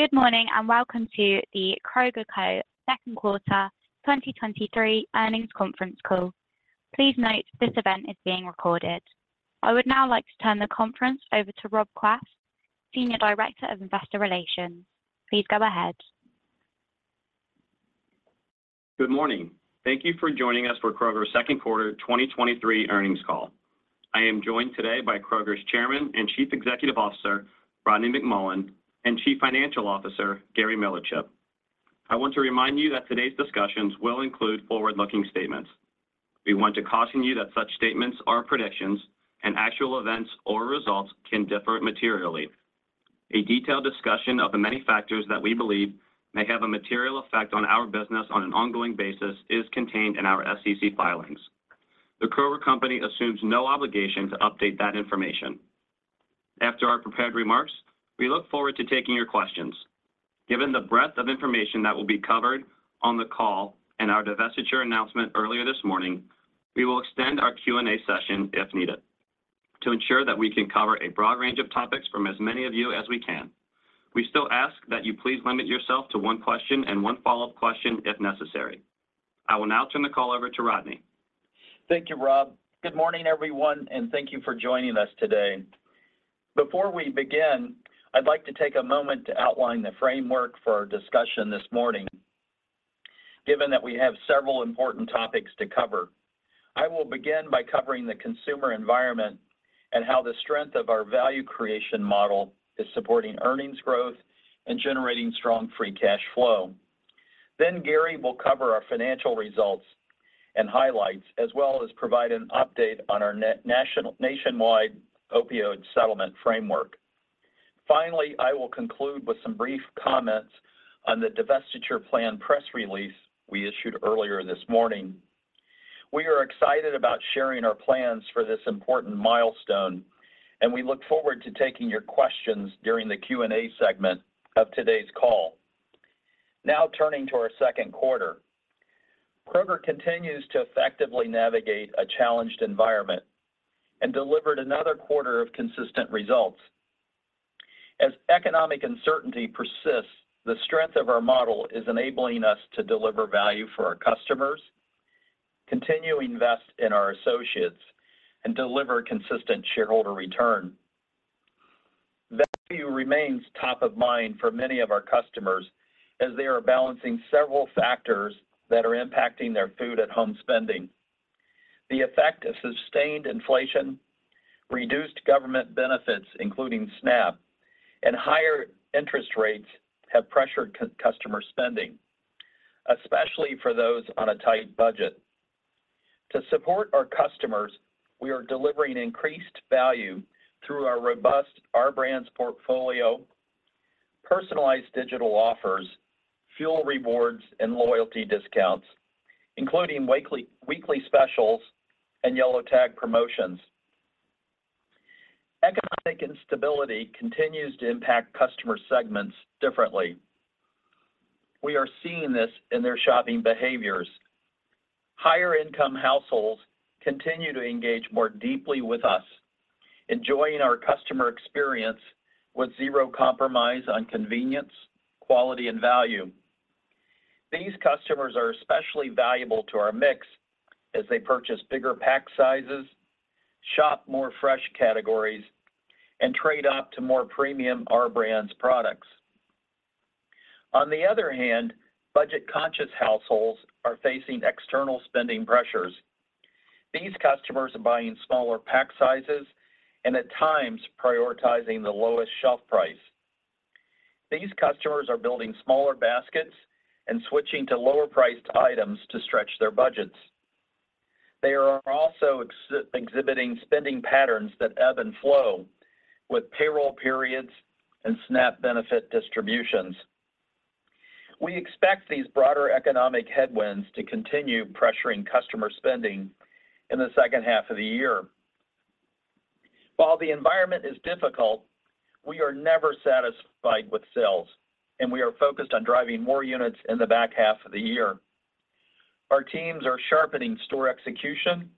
Good morning, and welcome to the Kroger Co. Second Quarter 2023 Earnings Conference Call. Please note, this event is being recorded. I would now like to turn the conference over to Rob Quast, Senior Director of Investor Relations. Please go ahead. Good morning. Thank you for joining us for Kroger's second quarter 2023 earnings call. I am joined today by Kroger's Chairman and Chief Executive Officer, Rodney McMullen, and Chief Financial Officer, Gary Millerchip. I want to remind you that today's discussions will include forward-looking statements. We want to caution you that such statements are predictions, and actual events or results can differ materially. A detailed discussion of the many factors that we believe may have a material effect on our business on an ongoing basis is contained in our SEC filings. The Kroger Co. assumes no obligation to update that information. After our prepared remarks, we look forward to taking your questions. Given the breadth of information that will be covered on the call and our divestiture announcement earlier this morning, we will extend our Q&A session if needed to ensure that we can cover a broad range of topics from as many of you as we can. We still ask that you please limit yourself to one question and one follow-up question if necessary. I will now turn the call over to Rodney. Thank you, Rob. Good morning, everyone, and thank you for joining us today. Before we begin, I'd like to take a moment to outline the framework for our discussion this morning, given that we have several important topics to cover. I will begin by covering the consumer environment and how the strength of our value creation model is supporting earnings growth and generating strong free cash flow. Then Gary will cover our financial results and highlights, as well as provide an update on our nationwide opioid settlement framework. Finally, I will conclude with some brief comments on the divestiture plan press release we issued earlier this morning. We are excited about sharing our plans for this important milestone, and we look forward to taking your questions during the Q&A segment of today's call. Now, turning to our second quarter. Kroger continues to effectively navigate a challenged environment and delivered another quarter of consistent results. As economic uncertainty persists, the strength of our model is enabling us to deliver value for our customers, continue to invest in our associates, and deliver consistent shareholder return. Value remains top of mind for many of our customers as they are balancing several factors that are impacting their food at home spending. The effect of sustained inflation, reduced government benefits, including SNAP, and higher interest rates have pressured customer spending, especially for those on a tight budget. To support our customers, we are delivering increased value through our robust Our Brands portfolio, personalized digital offers, fuel rewards, and loyalty discounts, including weekly specials and yellow tag promotions. Economic instability continues to impact customer segments differently. We are seeing this in their shopping behaviors. Higher-income households continue to engage more deeply with us, enjoying our customer experience with zero compromise on convenience, quality, and value. These customers are especially valuable to our mix as they purchase bigger pack sizes, shop more fresh categories, and trade up to more premium Our Brands products. On the other hand, budget-conscious households are facing external spending pressures. These customers are buying smaller pack sizes and at times prioritizing the lowest shelf price. These customers are building smaller baskets and switching to lower-priced items to stretch their budgets. They are also exhibiting spending patterns that ebb and flow with payroll periods and SNAP benefit distributions. We expect these broader economic headwinds to continue pressuring customer spending in the second half of the year. While the environment is difficult, we are never satisfied with sales, and we are focused on driving more units in the back half of the year. Our teams are sharpening store execution,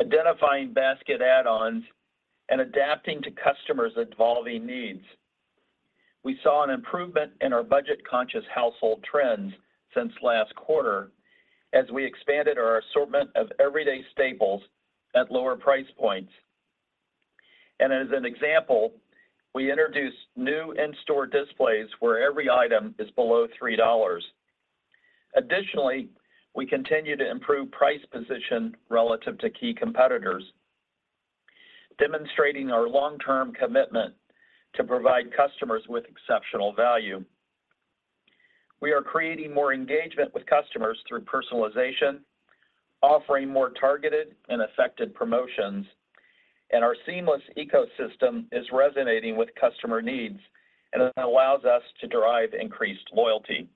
identifying basket add-ons, and adapting to customers' evolving needs. We saw an improvement in our budget-conscious household trends since last quarter as we expanded our assortment of everyday staples at lower price points. As an example, we introduced new in-store displays where every item is below $3. Additionally, we continue to improve price position relative to key competitors, demonstrating our long-term commitment to provide customers with exceptional value. We are creating more engagement with customers through personalization, offering more targeted and effective promotions, and our seamless ecosystem is resonating with customer needs and allows us to derive increased loyalty,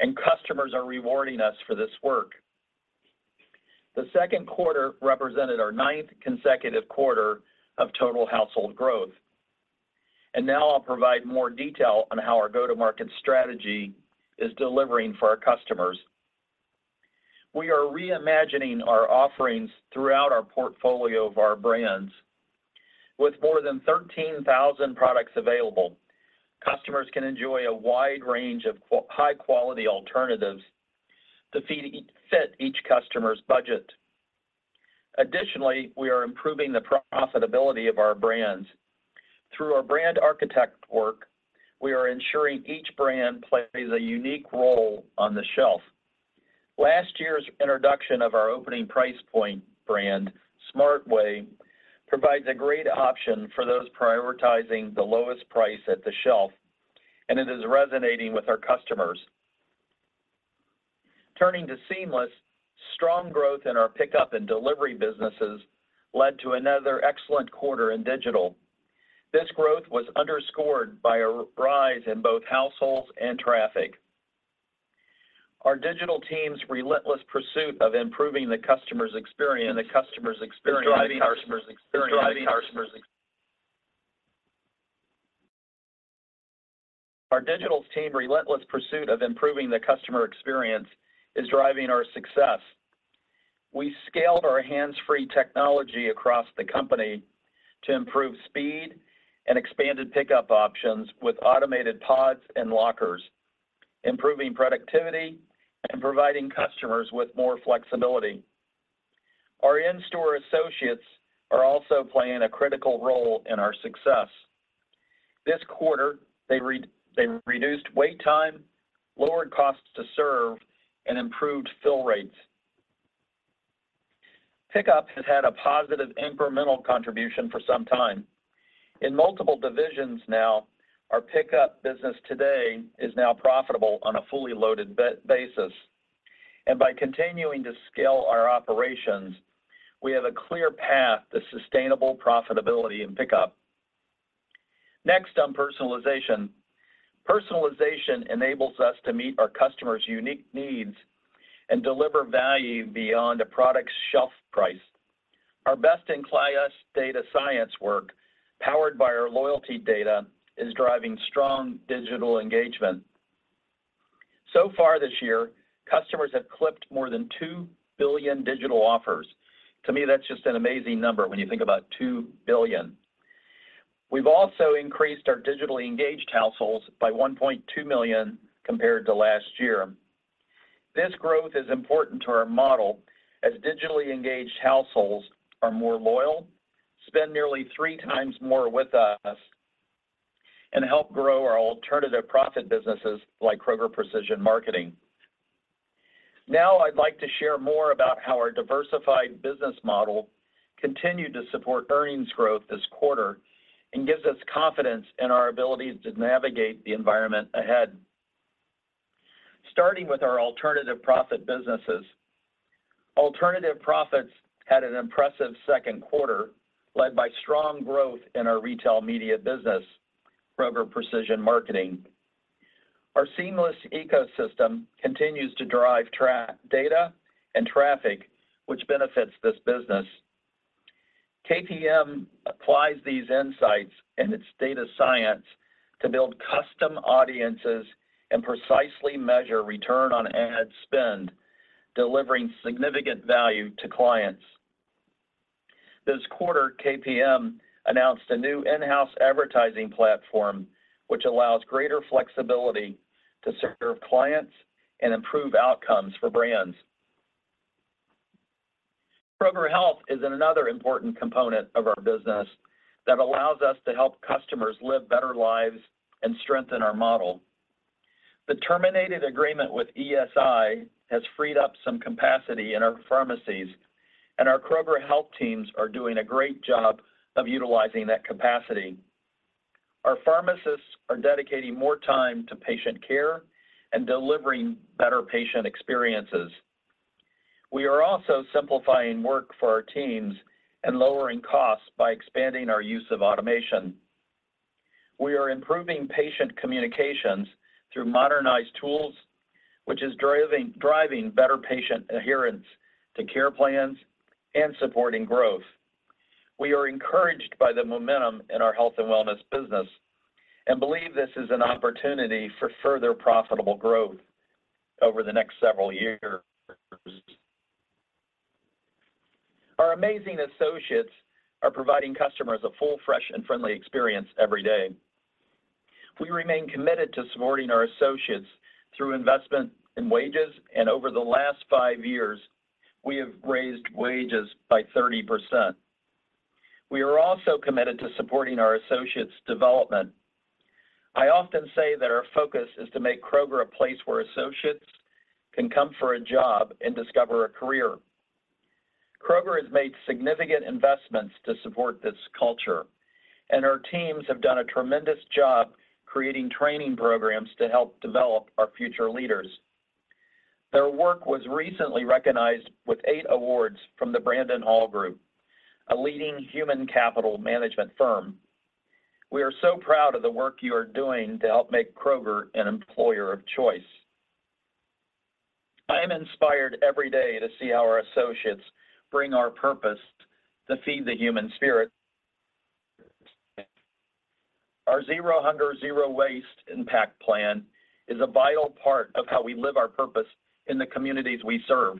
and customers are rewarding us for this work. The second quarter represented our ninth consecutive quarter of total household growth, and now I'll provide more detail on how our go-to-market strategy is delivering for our customers. We are reimagining our offerings throughout our portfolio of Our Brands with more than 13,000 products available. Customers can enjoy a wide range of high-quality alternatives that fit each customer's budget. Additionally, we are improving the profitability of Our Brands. Through our brand architect work, we are ensuring each brand plays a unique role on the shelf. Last year's introduction of our opening price point brand, Smart Way, provides a great option for those prioritizing the lowest price at the shelf, and it is resonating with our customers. Turning to Seamless, strong growth in our Pickup and Delivery businesses led to another excellent quarter in digital. This growth was underscored by a rise in both households and traffic. Our digital team's relentless pursuit of improving the customer's experience is driving our success. We scaled our hands-free technology across the company to improve speed and expanded pickup options with automated pods and lockers, improving productivity and providing customers with more flexibility. Our in-store associates are also playing a critical role in our success. This quarter, they reduced wait time, lowered costs to serve, and improved fill rates. Pickup has had a positive incremental contribution for some time. In multiple divisions now, our Pickup business today is now profitable on a fully loaded basis, and by continuing to scale our operations, we have a clear path to sustainable profitability in Pickup. Next on personalization. Personalization enables us to meet our customers' unique needs and deliver value beyond a product's shelf price. Our best-in-class data science work, powered by our loyalty data, is driving strong digital engagement. So far this year, customers have clipped more than 2 billion digital offers. To me, that's just an amazing number when you think about 2 billion. We've also increased our digitally engaged households by 1.2 million compared to last year. This growth is important to our model, as digitally engaged households are more loyal, spend nearly 3x more with us, and help grow our alternative profit businesses like Kroger Precision Marketing. Now, I'd like to share more about how our diversified business model continued to support earnings growth this quarter and gives us confidence in our ability to navigate the environment ahead. Starting with our alternative profit businesses. Alternative profits had an impressive second quarter, led by strong growth in our retail media business, Kroger Precision Marketing. Our seamless ecosystem continues to drive traffic data and traffic, which benefits this business. KPM applies these insights and its data science to build custom audiences and precisely measure return on ad spend, delivering significant value to clients. This quarter, KPM announced a new in-house advertising platform, which allows greater flexibility to serve clients and improve outcomes for brands. Kroger Health is another important component of our business that allows us to help customers live better lives and strengthen our model. The terminated agreement with ESI has freed up some capacity in our pharmacies, and our Kroger Health teams are doing a great job of utilizing that capacity. Our pharmacists are dedicating more time to patient care and delivering better patient experiences. We are also simplifying work for our teams and lowering costs by expanding our use of automation. We are improving patient communications through modernized tools, which is driving better patient adherence to care plans and supporting growth. We are encouraged by the momentum in our health and wellness business and believe this is an opportunity for further profitable growth over the next several years. Our amazing associates are providing customers a full, fresh, and friendly experience every day. We remain committed to supporting our associates through investment in wages, and over the last five years, we have raised wages by 30%. We are also committed to supporting our associates' development. I often say that our focus is to make Kroger a place where associates can come for a job and discover a career. Kroger has made significant investments to support this culture, and our teams have done a tremendous job creating training programs to help develop our future leaders. Their work was recently recognized with eight awards from the Brandon Hall Group, a leading human capital management firm. We are so proud of the work you are doing to help make Kroger an employer of choice. I am inspired every day to see our associates bring our purpose to feed the human spirit. Our Zero Hunger Zero Waste impact plan is a vital part of how we live our purpose in the communities we serve.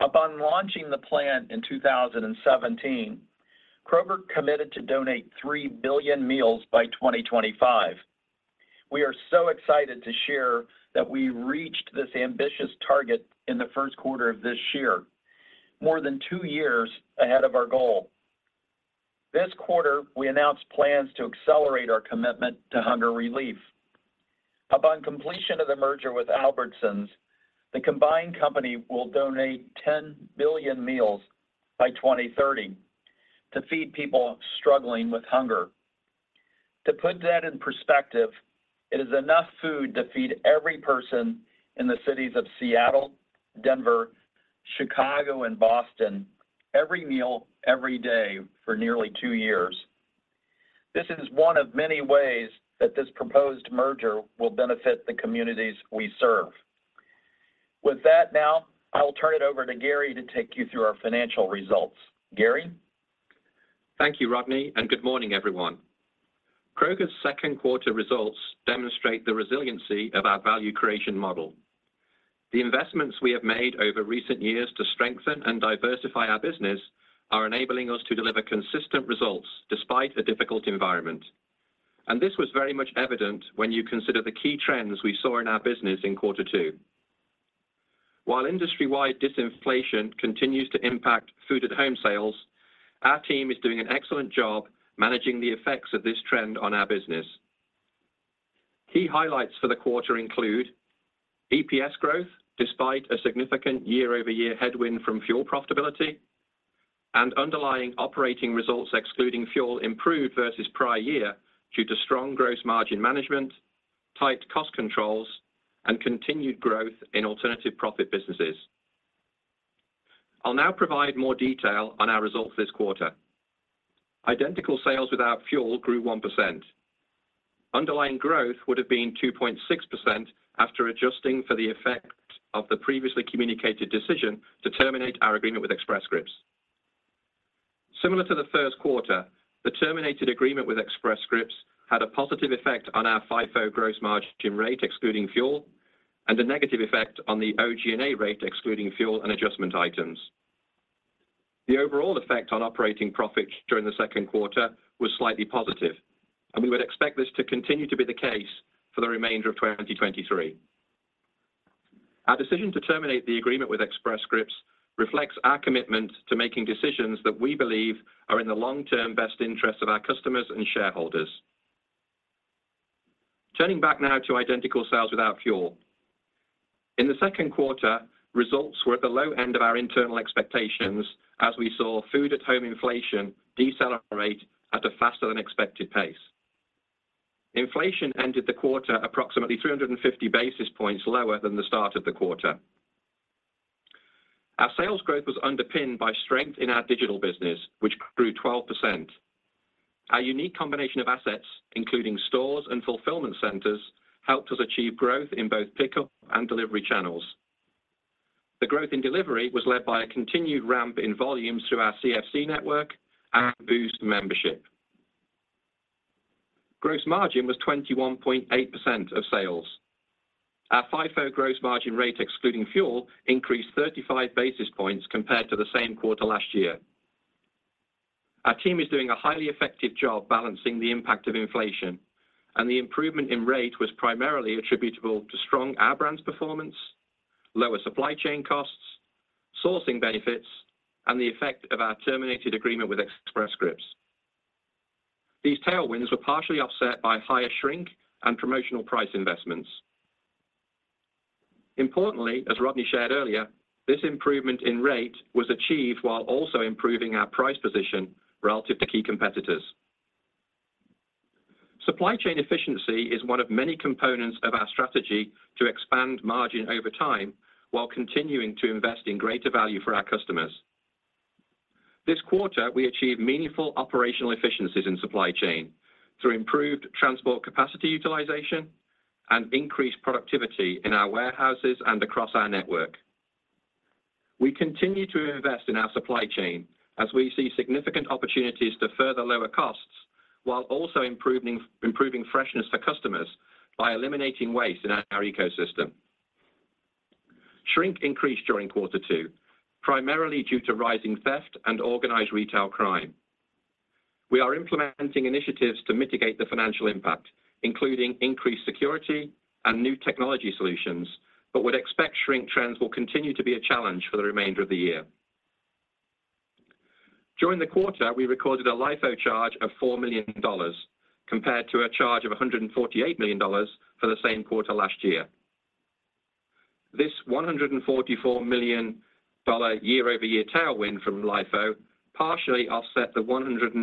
Upon launching the plan in 2017, Kroger committed to donate 3 billion meals by 2025. We are so excited to share that we reached this ambitious target in the first quarter of this year, more than two years ahead of our goal. This quarter, we announced plans to accelerate our commitment to hunger relief. Upon completion of the merger with Albertsons, the combined company will donate 10 billion meals by 2030, to feed people struggling with hunger. To put that in perspective, it is enough food to feed every person in the cities of Seattle, Denver, Chicago, and Boston, every meal, every day for nearly two years. This is one of many ways that this proposed merger will benefit the communities we serve. With that now, I will turn it over to Gary to take you through our financial results. Gary? Thank you, Rodney, and good morning everyone. Kroger's second quarter results demonstrate the resiliency of our value creation model. The investments we have made over recent years to strengthen and diversify our business are enabling us to deliver consistent results despite a difficult environment, and this was very much evident when you consider the key trends we saw in our business in quarter two. While industry-wide disinflation continues to impact food at home sales, our team is doing an excellent job managing the effects of this trend on our business. Key highlights for the quarter include: EPS growth, despite a significant year-over-year headwind from fuel profitability, and underlying operating results excluding fuel improved versus prior year due to strong gross margin management, tight cost controls, and continued growth in alternative profit businesses. I'll now provide more detail on our results this quarter. Identical sales without fuel grew 1%. Underlying growth would have been 2.6% after adjusting for the effect of the previously communicated decision to terminate our agreement with Express Scripts. Similar to the first quarter, the terminated agreement with Express Scripts had a positive effect on our FIFO gross margin rate, excluding fuel, and a negative effect on the OG&A rate, excluding fuel and adjustment items. The overall effect on operating profits during the second quarter was slightly positive, and we would expect this to continue to be the case for the remainder of 2023. Our decision to terminate the agreement with Express Scripts reflects our commitment to making decisions that we believe are in the long-term best interest of our customers and shareholders. Turning back now to identical sales without fuel. In the second quarter, results were at the low end of our internal expectations as we saw food at home inflation decelerate at a faster than expected pace. Inflation ended the quarter approximately 350 basis points lower than the start of the quarter. Our sales growth was underpinned by strength in our digital business, which grew 12%. Our unique combination of assets, including stores and fulfillment centers, helped us achieve growth in both Pickup and Delivery channels. The growth in delivery was led by a continued ramp in volumes through our CFC network and Boost membership. Gross margin was 21.8% of sales. Our FIFO gross margin rate, excluding fuel, increased 35 basis points compared to the same quarter last year. Our team is doing a highly effective job balancing the impact of inflation, and the improvement in rate was primarily attributable to strong Our Brands performance, lower supply chain costs, sourcing benefits, and the effect of our terminated agreement with Express Scripts. These tailwinds were partially offset by higher shrink and promotional price investments. Importantly, as Rodney shared earlier, this improvement in rate was achieved while also improving our price position relative to key competitors. Supply chain efficiency is one of many components of our strategy to expand margin over time while continuing to invest in greater value for our customers. This quarter, we achieved meaningful operational efficiencies in supply chain through improved transport capacity utilization and increased productivity in our warehouses and across our network. We continue to invest in our supply chain as we see significant opportunities to further lower costs, while also improving freshness for customers by eliminating waste in our ecosystem. Shrink increased during quarter two, primarily due to rising theft and organized retail crime. We are implementing initiatives to mitigate the financial impact, including increased security and new technology solutions, but would expect shrink trends will continue to be a challenge for the remainder of the year. During the quarter, we recorded a LIFO charge of $4 million, compared to a charge of $148 million for the same quarter last year. This $144 million year-over-year tailwind from LIFO partially offset the $192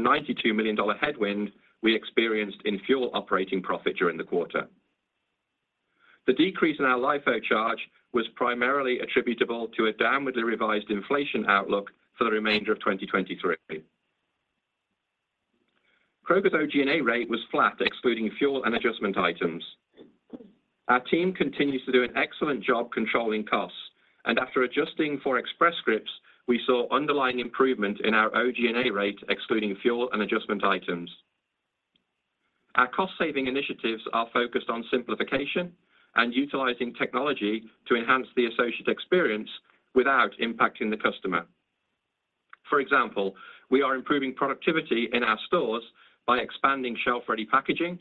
million headwind we experienced in fuel operating profit during the quarter. The decrease in our LIFO charge was primarily attributable to a downwardly revised inflation outlook for the remainder of 2023. Kroger's OG&A rate was flat, excluding fuel and adjustment items. Our team continues to do an excellent job controlling costs, and after adjusting for Express Scripts, we saw underlying improvement in our OG&A rate, excluding fuel and adjustment items. Our cost-saving initiatives are focused on simplification and utilizing technology to enhance the associate experience without impacting the customer. For example, we are improving productivity in our stores by expanding shelf-ready packaging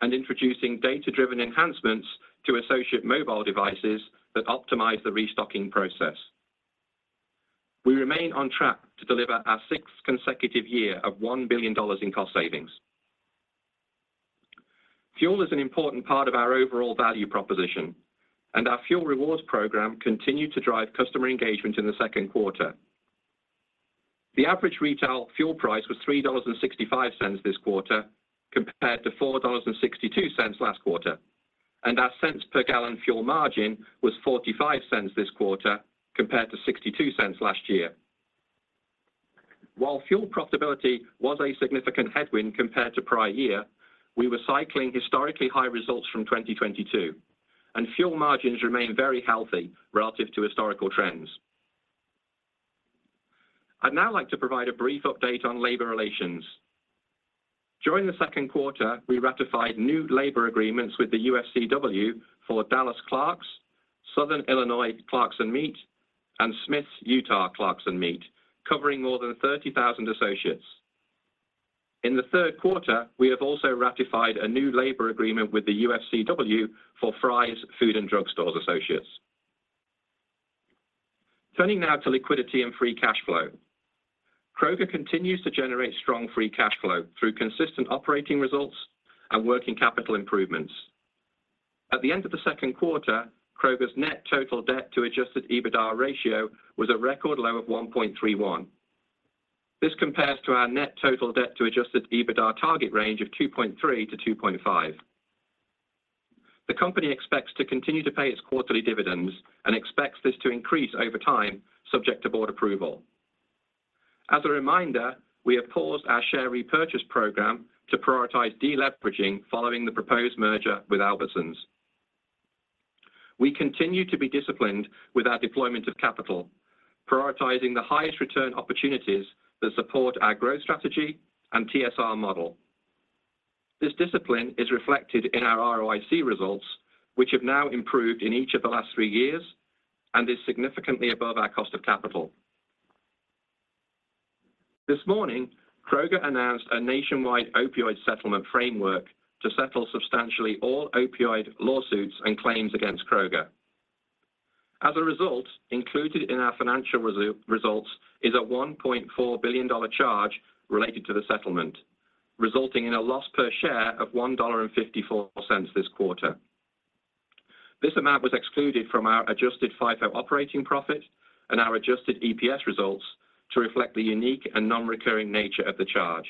and introducing data-driven enhancements to associate mobile devices that optimize the restocking process. We remain on track to deliver our sixth consecutive year of $1 billion in cost savings. Fuel is an important part of our overall value proposition, and our fuel rewards program continued to drive customer engagement in the second quarter. The average retail fuel price was $3.65 this quarter, compared to $4.62 last quarter, and our cents per gallon fuel margin was $0.45 this quarter, compared to $0.62 last year. While fuel profitability was a significant headwind compared to prior year, we were cycling historically high results from 2022, and fuel margins remain very healthy relative to historical trends. I'd now like to provide a brief update on labor relations. During the second quarter, we ratified new labor agreements with the UFCW for Dallas clerks, Southern Illinois clerks and meat, and Smith's Utah clerks and meat, covering more than 30,000 associates. In the third quarter, we have also ratified a new labor agreement with the UFCW for Fry's Food and Drug stores associates. Turning now to liquidity and free cash flow. Kroger continues to generate strong free cash flow through consistent operating results and working capital improvements. At the end of the second quarter, Kroger's net total debt to Adjusted EBITDA ratio was a record low of 1.31. This compares to our net total debt to Adjusted EBITDA target range of 2.3-2.5. The company expects to continue to pay its quarterly dividends and expects this to increase over time, subject to board approval. As a reminder, we have paused our share repurchase program to prioritize deleveraging following the proposed merger with Albertsons. We continue to be disciplined with our deployment of capital, prioritizing the highest return opportunities that support our growth strategy and TSR model. This discipline is reflected in our ROIC results, which have now improved in each of the last three years and is significantly above our cost of capital. This morning, Kroger announced a nationwide opioid settlement framework to settle substantially all opioid lawsuits and claims against Kroger. As a result, included in our financial results is a $1.4 billion charge related to the settlement, resulting in a loss per share of $1.54 this quarter. This amount was excluded from our adjusted FIFO operating profit and our adjusted EPS results to reflect the unique and non-recurring nature of the charge.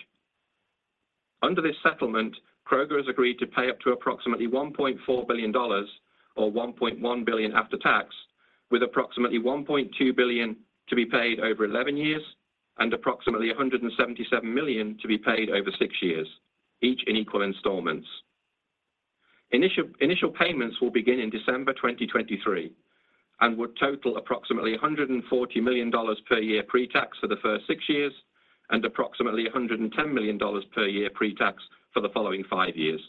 Under this settlement, Kroger has agreed to pay up to approximately $1.4 billion, or $1.1 billion after tax, with approximately $1.2 billion to be paid over 11 years and approximately $177 million to be paid over 6 years, each in equal installments. Initial payments will begin in December 2023 and would total approximately $140 million per year pre-tax for the first six years, and approximately $110 million per year pre-tax for the following five years.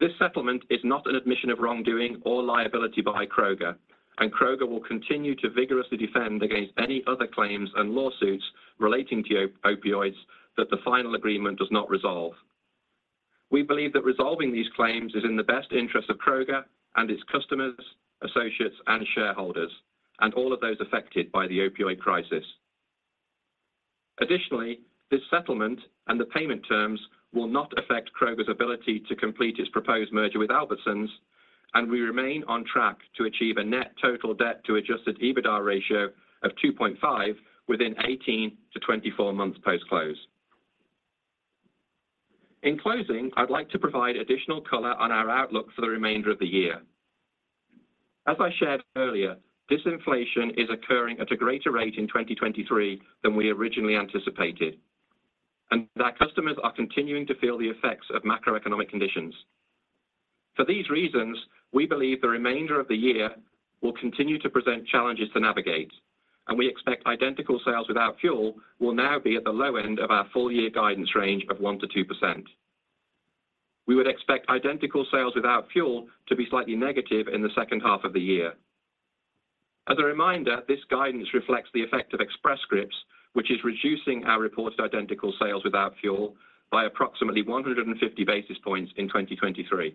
This settlement is not an admission of wrongdoing or liability by Kroger, and Kroger will continue to vigorously defend against any other claims and lawsuits relating to opioids that the final agreement does not resolve. We believe that resolving these claims is in the best interest of Kroger and its customers, associates, and shareholders, and all of those affected by the opioid crisis. Additionally, this settlement and the payment terms will not affect Kroger's ability to complete its proposed merger with Albertsons, and we remain on track to achieve a net total debt to Adjusted EBITDA ratio of 2.5 within 18-24 months post-close. In closing, I'd like to provide additional color on our outlook for the remainder of the year. As I shared earlier, disinflation is occurring at a greater rate in 2023 than we originally anticipated, and our customers are continuing to feel the effects of macroeconomic conditions. For these reasons, we believe the remainder of the year will continue to present challenges to navigate, and we expect identical sales without fuel will now be at the low end of our full year guidance range of 1%-2%. We would expect identical sales without fuel to be slightly negative in the second half of the year. As a reminder, this guidance reflects the effect of Express Scripts, which is reducing our reported identical sales without fuel by approximately 150 basis points in 2023.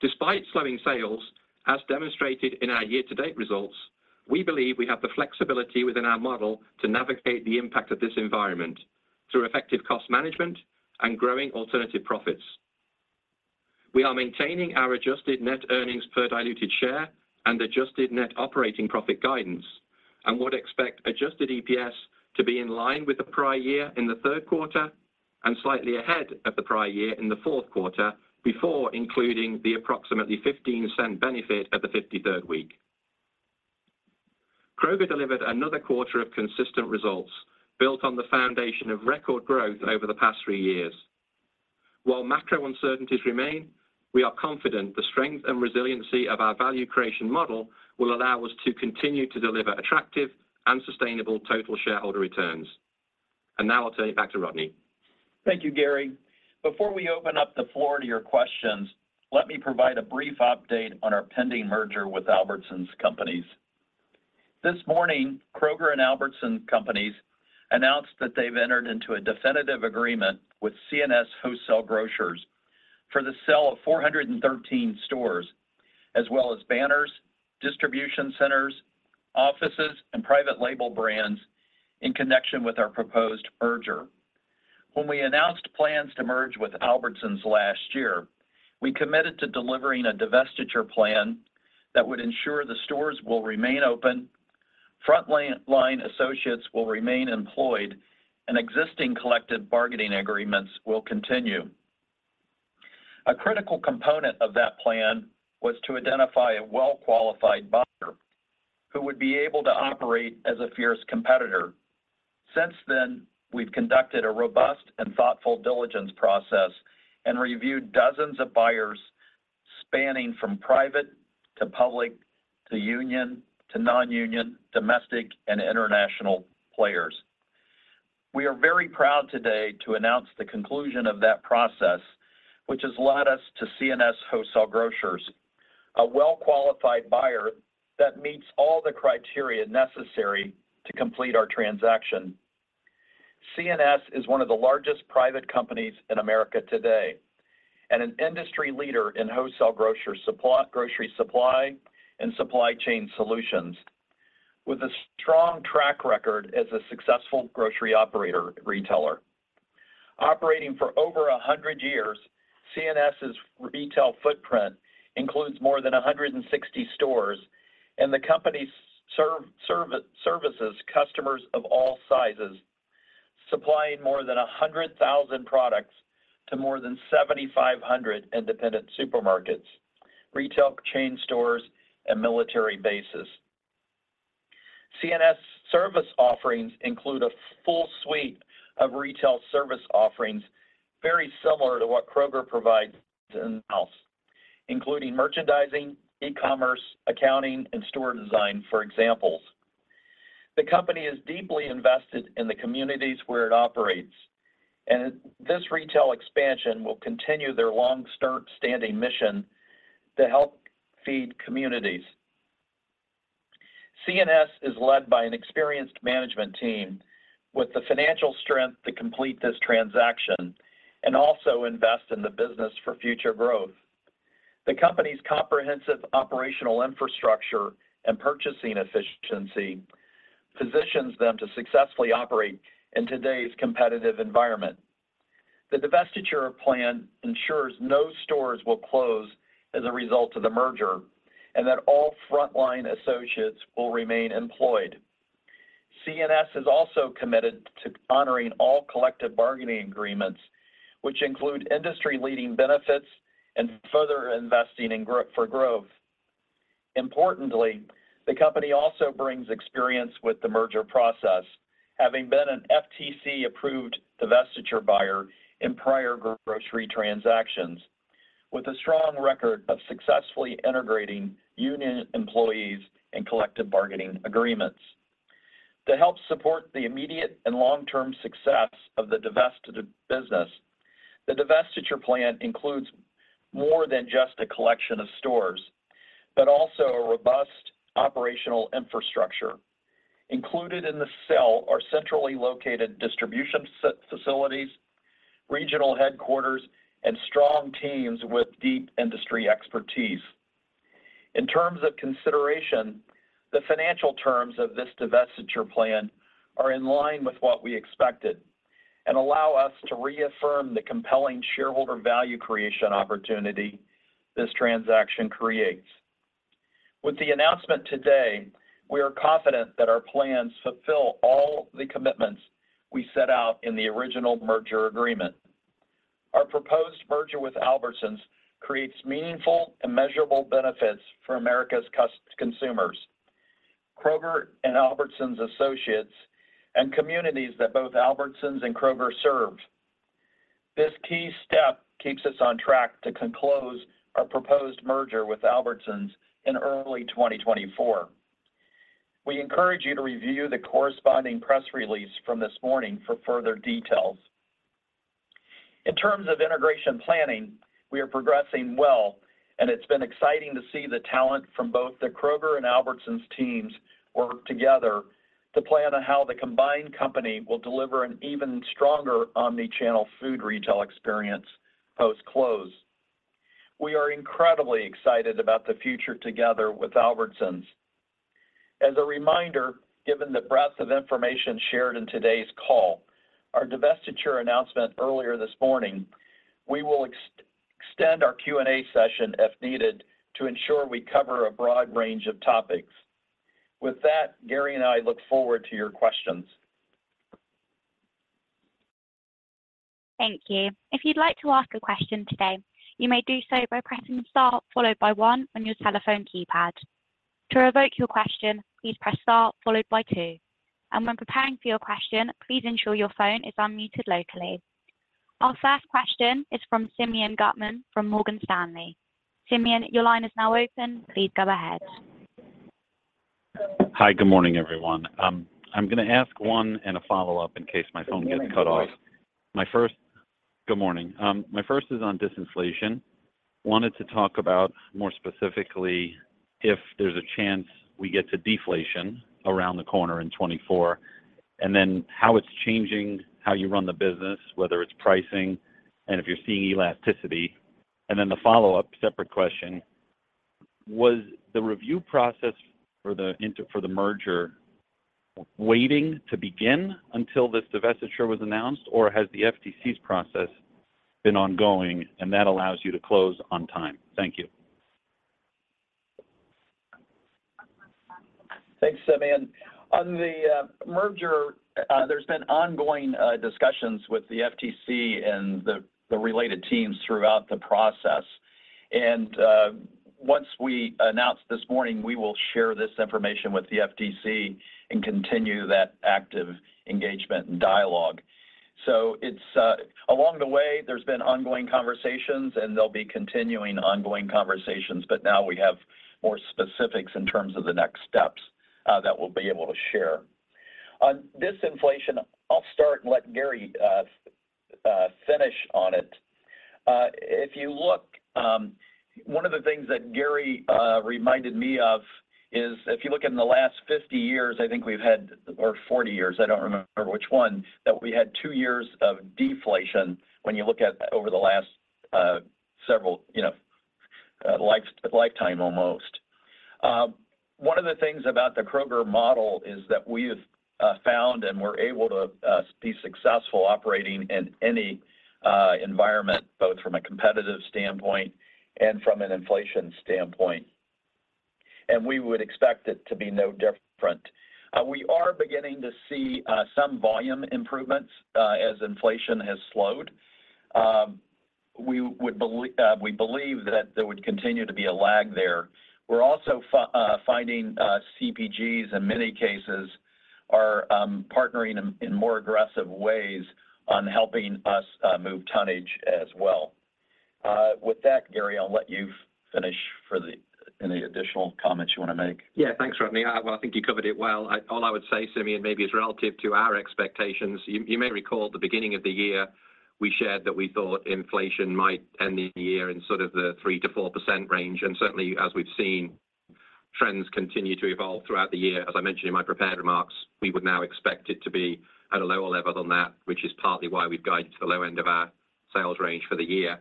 Despite slowing sales, as demonstrated in our year-to-date results, we believe we have the flexibility within our model to navigate the impact of this environment through effective cost management and growing alternative profits. We are maintaining our adjusted net earnings per diluted share and adjusted net operating profit guidance, and would expect adjusted EPS to be in line with the prior year in the third quarter and slightly ahead of the prior year in the fourth quarter, before including the approximately $0.15 benefit of the 53rd week. Kroger delivered another quarter of consistent results, built on the foundation of record growth over the past three years. While macro uncertainties remain, we are confident the strength and resiliency of our value creation model will allow us to continue to deliver attractive and sustainable total shareholder returns. And now I'll turn it back to Rodney. Thank you, Gary. Before we open up the floor to your questions, let me provide a brief update on our pending merger with Albertsons Companies. This morning, Kroger and Albertsons Companies announced that they've entered into a definitive agreement with C&S Wholesale Grocers for the sale of 413 stores, as well as banners, distribution centers, offices, and private label brands in connection with our proposed merger. When we announced plans to merge with Albertsons last year, we committed to delivering a divestiture plan that would ensure the stores will remain open, front line associates will remain employed, and existing collective bargaining agreements will continue. A critical component of that plan was to identify a well-qualified buyer who would be able to operate as a fierce competitor. Since then, we've conducted a robust and thoughtful diligence process and reviewed dozens of buyers spanning from private to public, to union to non-union, domestic and international players. We are very proud today to announce the conclusion of that process, which has led us to C&S Wholesale Grocers, a well-qualified buyer that meets all the criteria necessary to complete our transaction. C&S is one of the largest private companies in America today, and an industry leader in wholesale grocer supply, grocery supply and supply chain solutions, with a strong track record as a successful grocery operator retailer. Operating for over 100 years, C&S's retail footprint includes more than 160 stores, and the company services customers of all sizes, supplying more than 100,000 products to more than 7,500 independent supermarkets, retail chain stores, and military bases. C&S service offerings include a full suite of retail service offerings, very similar to what Kroger provides in-house, including merchandising, e-commerce, accounting, and store design, for examples. The company is deeply invested in the communities where it operates, and this retail expansion will continue their long-standing mission to help feed communities. C&S is led by an experienced management team with the financial strength to complete this transaction and also invest in the business for future growth. The company's comprehensive operational infrastructure and purchasing efficiency positions them to successfully operate in today's competitive environment. The divestiture plan ensures no stores will close as a result of the merger, and that all frontline associates will remain employed. C&S is also committed to honoring all collective bargaining agreements, which include industry-leading benefits and further investing in growth. Importantly, the company also brings experience with the merger process, having been an FTC-approved divestiture buyer in prior grocery transactions, with a strong record of successfully integrating union employees and collective bargaining agreements. To help support the immediate and long-term success of the divested business, the divestiture plan includes more than just a collection of stores, but also a robust operational infrastructure. Included in the sale are centrally located distribution centers, regional headquarters, and strong teams with deep industry expertise. In terms of consideration, the financial terms of this divestiture plan are in line with what we expected and allow us to reaffirm the compelling shareholder value creation opportunity this transaction creates. With the announcement today, we are confident that our plans fulfill all the commitments we set out in the original merger agreement. Our proposed merger with Albertsons creates meaningful and measurable benefits for America's consumers, Kroger and Albertsons associates, and communities that both Albertsons and Kroger serve. This key step keeps us on track to conclude our proposed merger with Albertsons in early 2024. We encourage you to review the corresponding press release from this morning for further details. In terms of integration planning, we are progressing well, and it's been exciting to see the talent from both the Kroger and Albertsons teams work together to plan on how the combined company will deliver an even stronger omni-channel food retail experience post-close. We are incredibly excited about the future together with Albertsons. As a reminder, given the breadth of information shared in today's call, our divestiture announcement earlier this morning, we will extend our Q&A session, if needed, to ensure we cover a broad range of topics. With that, Gary and I look forward to your questions. Thank you. If you'd like to ask a question today, you may do so by pressing star followed by one on your telephone keypad. To revoke your question, please press star followed by two, and when preparing for your question, please ensure your phone is unmuted locally. Our first question is from Simeon Gutman from Morgan Stanley. Simeon, your line is now open. Please go ahead. Hi, good morning, everyone. I'm gonna ask one and a follow-up in case my phone gets cut off. Good morning. My first is on disinflation. Wanted to talk about, more specifically, if there's a chance we get to deflation around the corner in 2024, and then how it's changing, how you run the business, whether it's pricing, and if you're seeing elasticity. And then the follow-up, separate question: Was the review process for the merger waiting to begin until this divestiture was announced, or has the FTC's process been ongoing and that allows you to close on time? Thank you. Thanks, Simeon. On the merger, there's been ongoing discussions with the FTC and the related teams throughout the process. And once we announce this morning, we will share this information with the FTC and continue that active engagement and dialogue. So it's along the way, there's been ongoing conversations, and there'll be continuing ongoing conversations, but now we have more specifics in terms of the next steps that we'll be able to share. On disinflation, I'll start and let Gary finish on it. If you look, one of the things that Gary reminded me of is, if you look in the last 50 years, I think we've had, or 40 years, I don't remember which one, that we had two years of deflation when you look at over the last several, you know, life, lifetime almost. One of the things about the Kroger model is that we have found and we're able to be successful operating in any environment, both from a competitive standpoint and from an inflation standpoint, and we would expect it to be no different. We are beginning to see some volume improvements as inflation has slowed. We believe that there would continue to be a lag there. We're also finding CPGs, in many cases, are partnering in more aggressive ways on helping us move tonnage as well. With that, Gary, I'll let you finish with any additional comments you wanna make. Yeah, thanks, Rodney. Well, I think you covered it well. All I would say, Simeon, maybe it's relative to our expectations. You, you may recall at the beginning of the year, we shared that we thought inflation might end the year in sort of the 3%-4% range, and certainly, as we've seen, trends continue to evolve throughout the year. As I mentioned in my prepared remarks, we would now expect it to be at a lower level than that, which is partly why we've guided to the low end of our sales range for the year.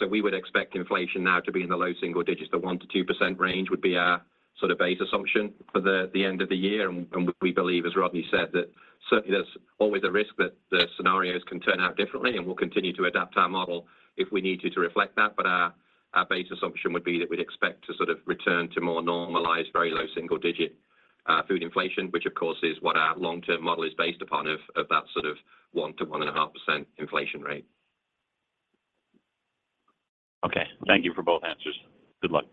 So we would expect inflation now to be in the low single digits. The 1%-2% range would be our sort of base assumption for the end of the year. And we believe, as Rodney said, that certainly there's always a risk that the scenarios can turn out differently, and we'll continue to adapt our model if we need to, to reflect that. But our base assumption would be that we'd expect to sort of return to more normalized, very low single digit food inflation, which of course is what our long-term model is based upon, of that sort of 1%-1.5% inflation rate. Okay, thank you for both answers. Good luck.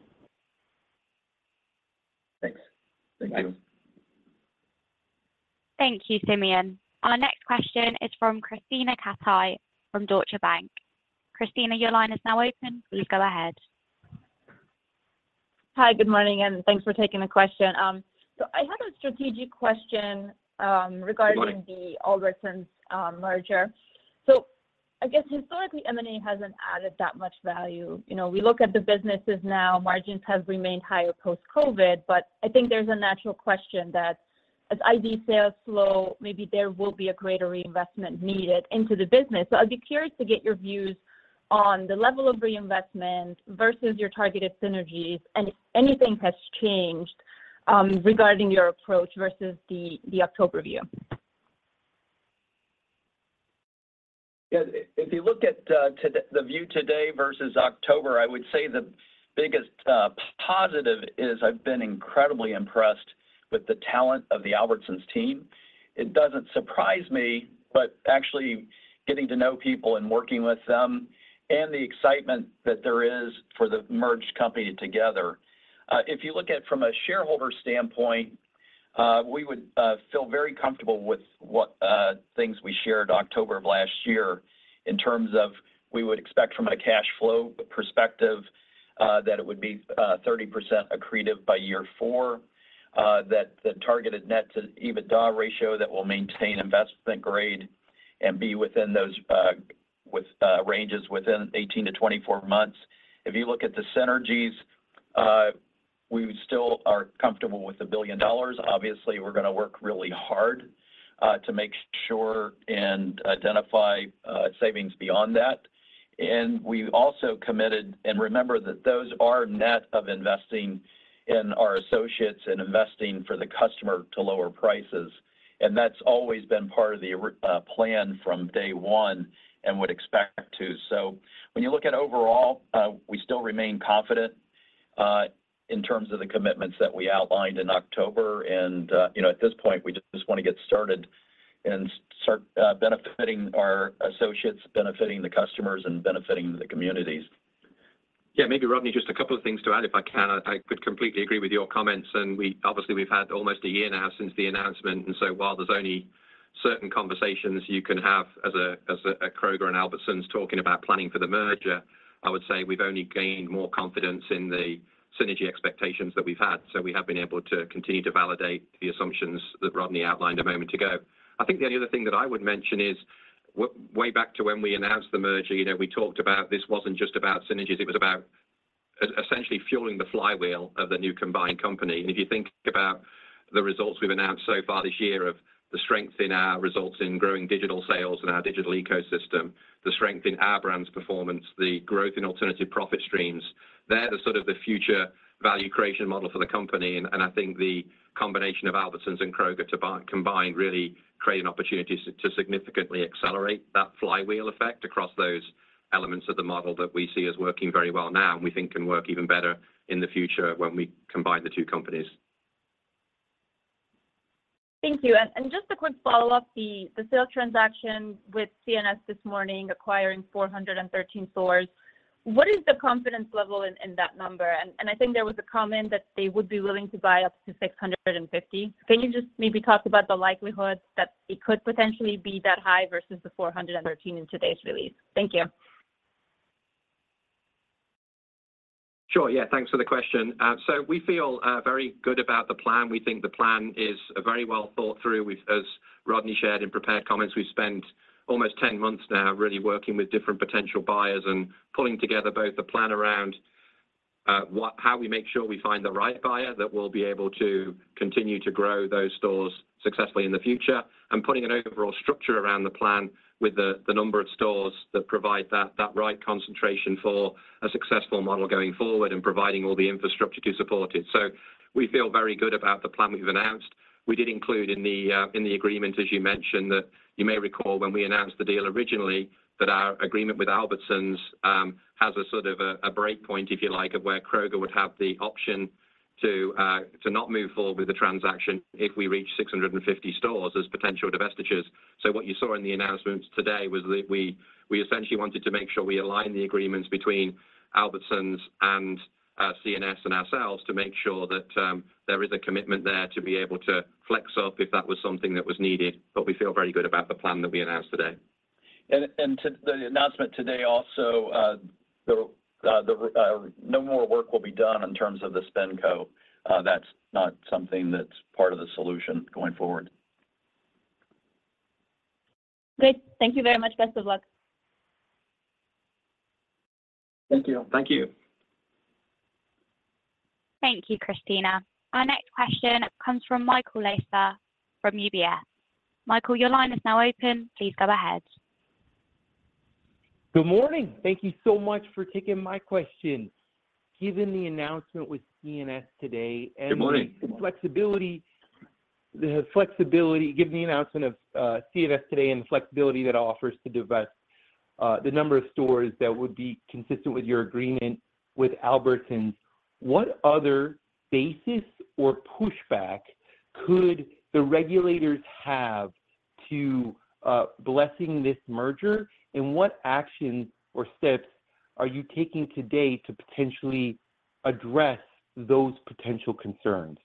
Thanks. Thank you. Thank you, Simeon. Our next question is from Krisztina Katai from Deutsche Bank. Krisztina, your line is now open. Please go ahead. Hi, good morning, and thanks for taking the question. I have a strategic question, regarding- Good morning... the Albertsons merger. So I guess historically, M&A hasn't added that much value. You know, we look at the businesses now, margins have remained higher post-COVID, but I think there's a natural question that as ID sales slow, maybe there will be a greater reinvestment needed into the business. So I'd be curious to get your views on the level of reinvestment versus your targeted synergies and if anything has changed, regarding your approach versus the October view. Yeah, if you look at the view today versus October, I would say the biggest positive is I've been incredibly impressed with the talent of the Albertsons team. It doesn't surprise me, but actually getting to know people and working with them and the excitement that there is for the merged company together. If you look at from a shareholder standpoint, we would feel very comfortable with what things we shared October of last year in terms of we would expect from a cash flow perspective that it would be 30% accretive by year four. That the targeted net to EBITDA ratio that will maintain investment grade and be within those ranges within 18-24 months. If you look at the synergies, we still are comfortable with $1 billion. Obviously, we're gonna work really hard to make sure and identify savings beyond that. And we've also committed, and remember that those are net of investing in our associates and investing for the customer to lower prices, and that's always been part of the plan from day one and would expect to. So when you look at overall, we still remain confident... in terms of the commitments that we outlined in October, and, you know, at this point, we just, just want to get started and start benefiting our associates, benefiting the customers, and benefiting the communities. Yeah, maybe, Rodney, just a couple of things to add, if I can. I could completely agree with your comments, and we've obviously had almost a year now since the announcement, and so while there's only certain conversations you can have as a Kroger and Albertsons talking about planning for the merger, I would say we've only gained more confidence in the synergy expectations that we've had. So we have been able to continue to validate the assumptions that Rodney outlined a moment ago. I think the only other thing that I would mention is way back to when we announced the merger, you know, we talked about this wasn't just about synergies, it was about essentially fueling the flywheel of the new combined company. If you think about the results we've announced so far this year, of the strength in our results in growing digital sales and our digital ecosystem, the strength in our brand's performance, the growth in alternative profit streams, they're sort of the future value creation model for the company. And I think the combination of Albertsons and Kroger to be combined really create an opportunity to significantly accelerate that flywheel effect across those elements of the model that we see as working very well now, and we think can work even better in the future when we combine the two companies. Thank you. And just a quick follow-up. The sale transaction with C&S this morning, acquiring 413 stores, what is the confidence level in that number? And I think there was a comment that they would be willing to buy up to 650. Can you just maybe talk about the likelihood that it could potentially be that high versus the 413 in today's release? Thank you. Sure. Yeah, thanks for the question. So we feel very good about the plan. We think the plan is a very well thought through. We've—as Rodney shared in prepared comments, we've spent almost 10 months now really working with different potential buyers and pulling together both the plan around how we make sure we find the right buyer that will be able to continue to grow those stores successfully in the future, and putting an overall structure around the plan with the, the number of stores that provide that, that right concentration for a successful model going forward and providing all the infrastructure to support it. So we feel very good about the plan we've announced. We did include in the, in the agreement, as you mentioned, that you may recall when we announced the deal originally, that our agreement with Albertsons, has a sort of a, a break point, if you like, of where Kroger would have the option to, to not move forward with the transaction if we reach 650 stores as potential divestitures. So what you saw in the announcements today was that we, we essentially wanted to make sure we align the agreements between Albertsons and, C&S and ourselves to make sure that, there is a commitment there to be able to flex up if that was something that was needed. But we feel very good about the plan that we announced today. To the announcement today also, no more work will be done in terms of the SpinCo. That's not something that's part of the solution going forward. Great. Thank you very much. Best of luck. Thank you. Thank you. Thank you, Krisztina. Our next question comes from Michael Lasser from UBS. Michael, your line is now open. Please go ahead. Good morning. Thank you so much for taking my question. Given the announcement with C&S today and- Good morning... the flexibility given the announcement of C&S today and the flexibility that offers to divest the number of stores that would be consistent with your agreement with Albertsons, what other basis or pushback could the regulators have to blessing this merger? And what actions or steps are you taking today to potentially address those potential concerns?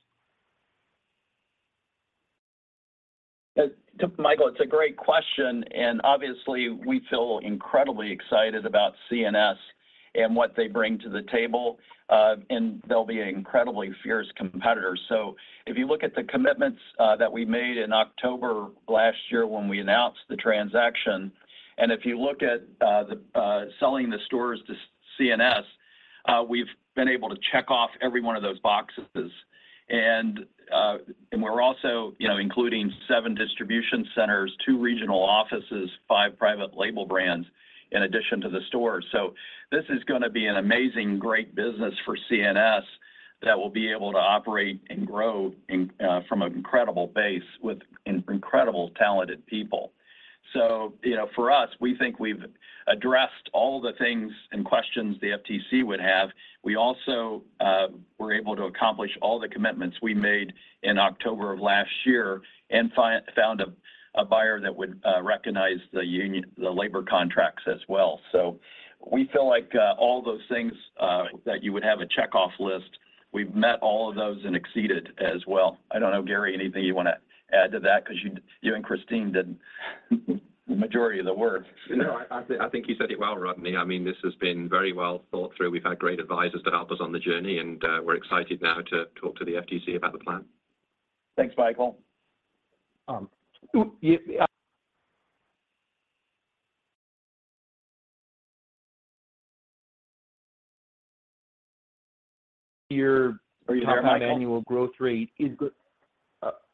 Michael, it's a great question, and obviously, we feel incredibly excited about C&S and what they bring to the table, and they'll be an incredibly fierce competitor. So if you look at the commitments that we made in October last year when we announced the transaction, and if you look at the selling the stores to C&S, we've been able to check off every one of those boxes. And we're also, you know, including seven distribution centers, two regional offices, five private label brands, in addition to the stores. So this is gonna be an amazing, great business for C&S that will be able to operate and grow in from an incredible base with incredibly talented people. So, you know, for us, we think we've addressed all the things and questions the FTC would have. We also were able to accomplish all the commitments we made in October of last year and found a buyer that would recognize the union, the labor contracts as well. So we feel like all those things that you would have a check-off list, we've met all of those and exceeded as well. I don't know, Gary, anything you wanna add to that? Because you and Christine did the majority of the work. No, I think you said it well, Rodney. I mean, this has been very well thought through. We've had great advisors to help us on the journey, and we're excited now to talk to the FTC about the plan. Thanks, Michael. You, your- Are you there, Michael? Annual growth rate is good.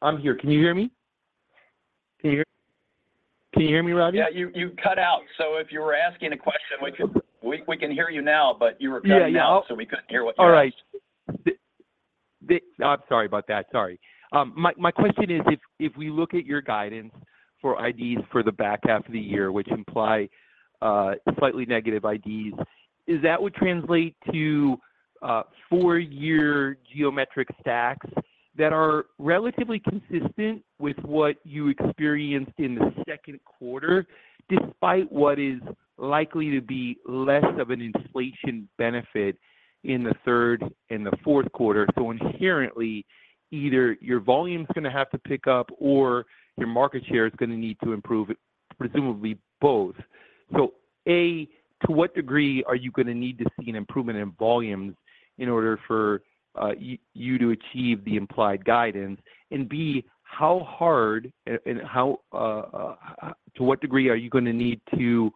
I'm here. Can you hear me? Can you hear? Can you hear me, Rodney? Yeah, you cut out. So if you were asking a question, we could- we can hear you now, but you were cutting out. Yeah, now We couldn't hear what you were asked. All right. I'm sorry about that. Sorry. My question is, if we look at your guidance for IDs for the back half of the year, which imply slightly negative IDs, is that would translate to four-year geometric stacks that are relatively consistent with what you experienced in the second quarter, despite what is likely to be less of an inflation benefit in the third and the fourth quarter. So inherently, either your volume's gonna have to pick up, or your market share is gonna need to improve, presumably both. So, A, to what degree are you gonna need to see an improvement in volumes in order for you to achieve the implied guidance? And B, how hard and how to what degree are you gonna need to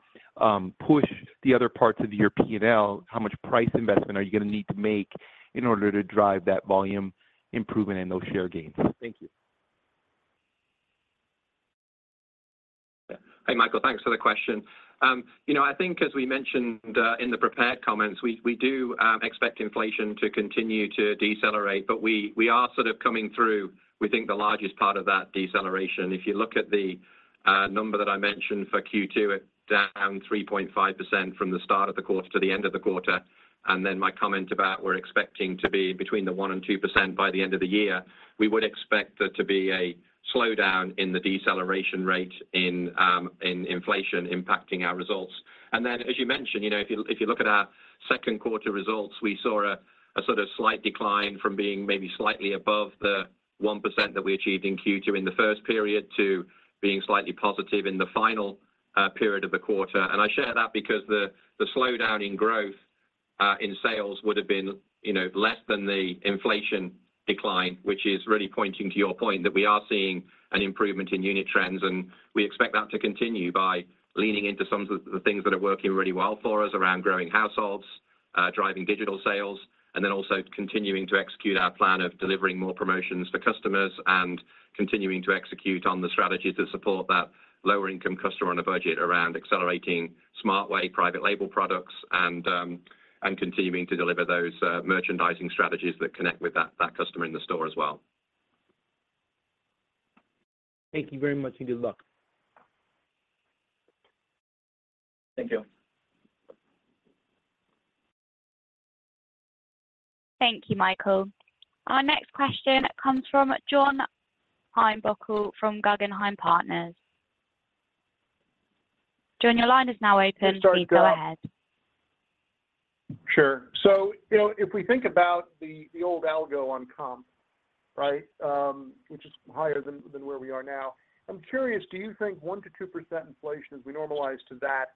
push the other parts of your P&L? How much price investment are you gonna need to make in order to drive that volume improvement and those share gains? Thank you. Hey, Michael, thanks for the question. You know, I think as we mentioned in the prepared comments, we, we do expect inflation to continue to decelerate, but we, we are sort of coming through, we think the largest part of that deceleration. If you look at the number that I mentioned for Q2, it down 3.5% from the start of the quarter to the end of the quarter, and then my comment about we're expecting to be between 1% and 2% by the end of the year, we would expect there to be a slowdown in the deceleration rate in inflation impacting our results. Then, as you mentioned, you know, if you, if you look at our second quarter results, we saw a, a sort of slight decline from being maybe slightly above the 1% that we achieved in Q2 in the first period, to being slightly positive in the final period of the quarter. I share that because the slowdown in growth in sales would have been, you know, less than the inflation decline, which is really pointing to your point, that we are seeing an improvement in unit trends, and we expect that to continue by leaning into some of the things that are working really well for us around growing households, driving digital sales, and then also continuing to execute our plan of delivering more promotions for customers, and continuing to execute on the strategy to support that lower income customer on a budget around accelerating Smart Way private label products, and continuing to deliver those merchandising strategies that connect with that customer in the store as well. Thank you very much, and good luck. Thank you. Thank you, Michael. Our next question comes from John Heinbockel from Guggenheim Partners. John, your line is now open. Please go ahead. Sure. So, you know, if we think about the old algo on comp, right? Which is higher than where we are now. I'm curious, do you think 1%-2% inflation as we normalize to that,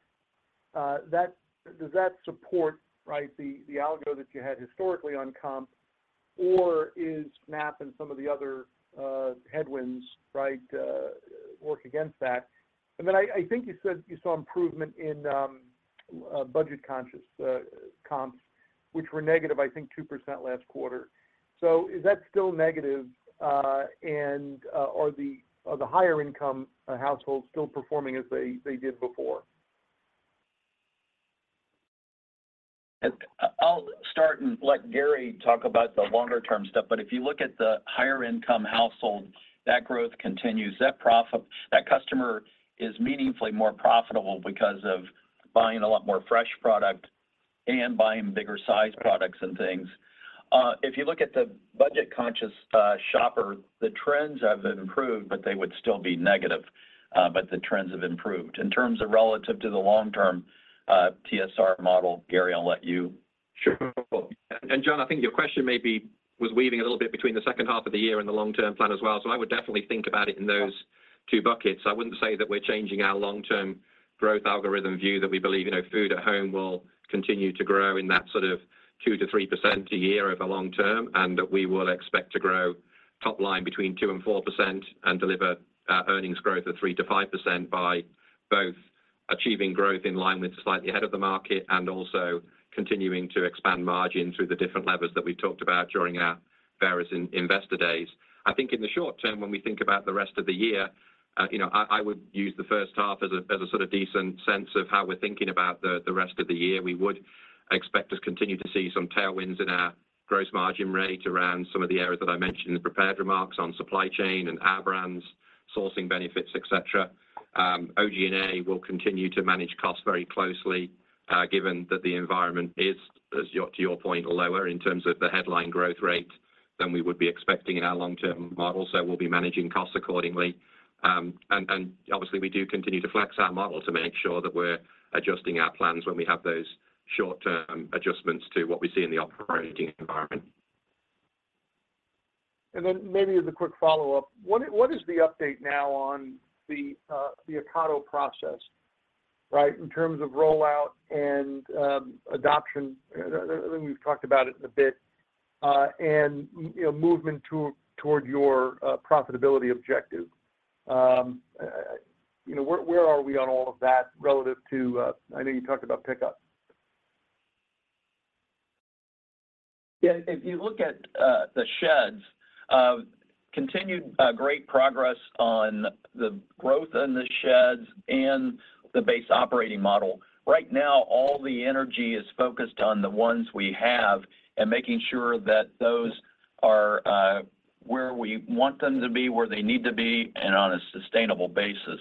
does that support, right, the algo that you had historically on comp or is MAP and some of the other headwinds, right, work against that? And then I think you said you saw improvement in budget conscious comps, which were negative, I think, 2% last quarter. So is that still negative and are the higher income households still performing as they did before? I'll start and let Gary talk about the longer term stuff, but if you look at the higher income households, that growth continues. That customer is meaningfully more profitable because of buying a lot more fresh product and buying bigger sized products and things. If you look at the budget conscious shopper, the trends have improved, but they would still be negative, but the trends have improved. In terms of relative to the long term TSR model, Gary, I'll let you. Sure. And John, I think your question may be, was weaving a little bit between the second half of the year and the long-term plan as well. So I would definitely think about it in those two buckets. I wouldn't say that we're changing our long-term growth algorithm view, that we believe, you know, food at home will continue to grow in that sort of 2%-3% a year over long term, and that we will expect to grow top line between 2%-4% and deliver earnings growth of 3%-5% by both achieving growth in line with slightly ahead of the market, and also continuing to expand margin through the different levers that we talked about during our various in-investor days. I think in the short term, when we think about the rest of the year, you know, I would use the first half as a sort of decent sense of how we're thinking about the rest of the year. We would expect to continue to see some tailwinds in our gross margin rate around some of the areas that I mentioned in the prepared remarks on supply chain and Our Brands, sourcing benefits, et cetera. OG&A will continue to manage costs very closely, given that the environment is, as to your point, lower in terms of the headline growth rate than we would be expecting in our long term model. So we'll be managing costs accordingly. And obviously, we do continue to flex our model to make sure that we're adjusting our plans when we have those short-term adjustments to what we see in the operating environment. And then maybe as a quick follow-up, what is the update now on the Ocado process, right? In terms of rollout and adoption. I think we've talked about it a bit, and, you know, movement toward your profitability objective. You know, where are we on all of that relative to... I know you talked about Pickup. Yeah, if you look at the sheds, continued great progress on the growth in the sheds and the base operating model. Right now, all the energy is focused on the ones we have and making sure that those are where we want them to be, where they need to be, and on a sustainable basis.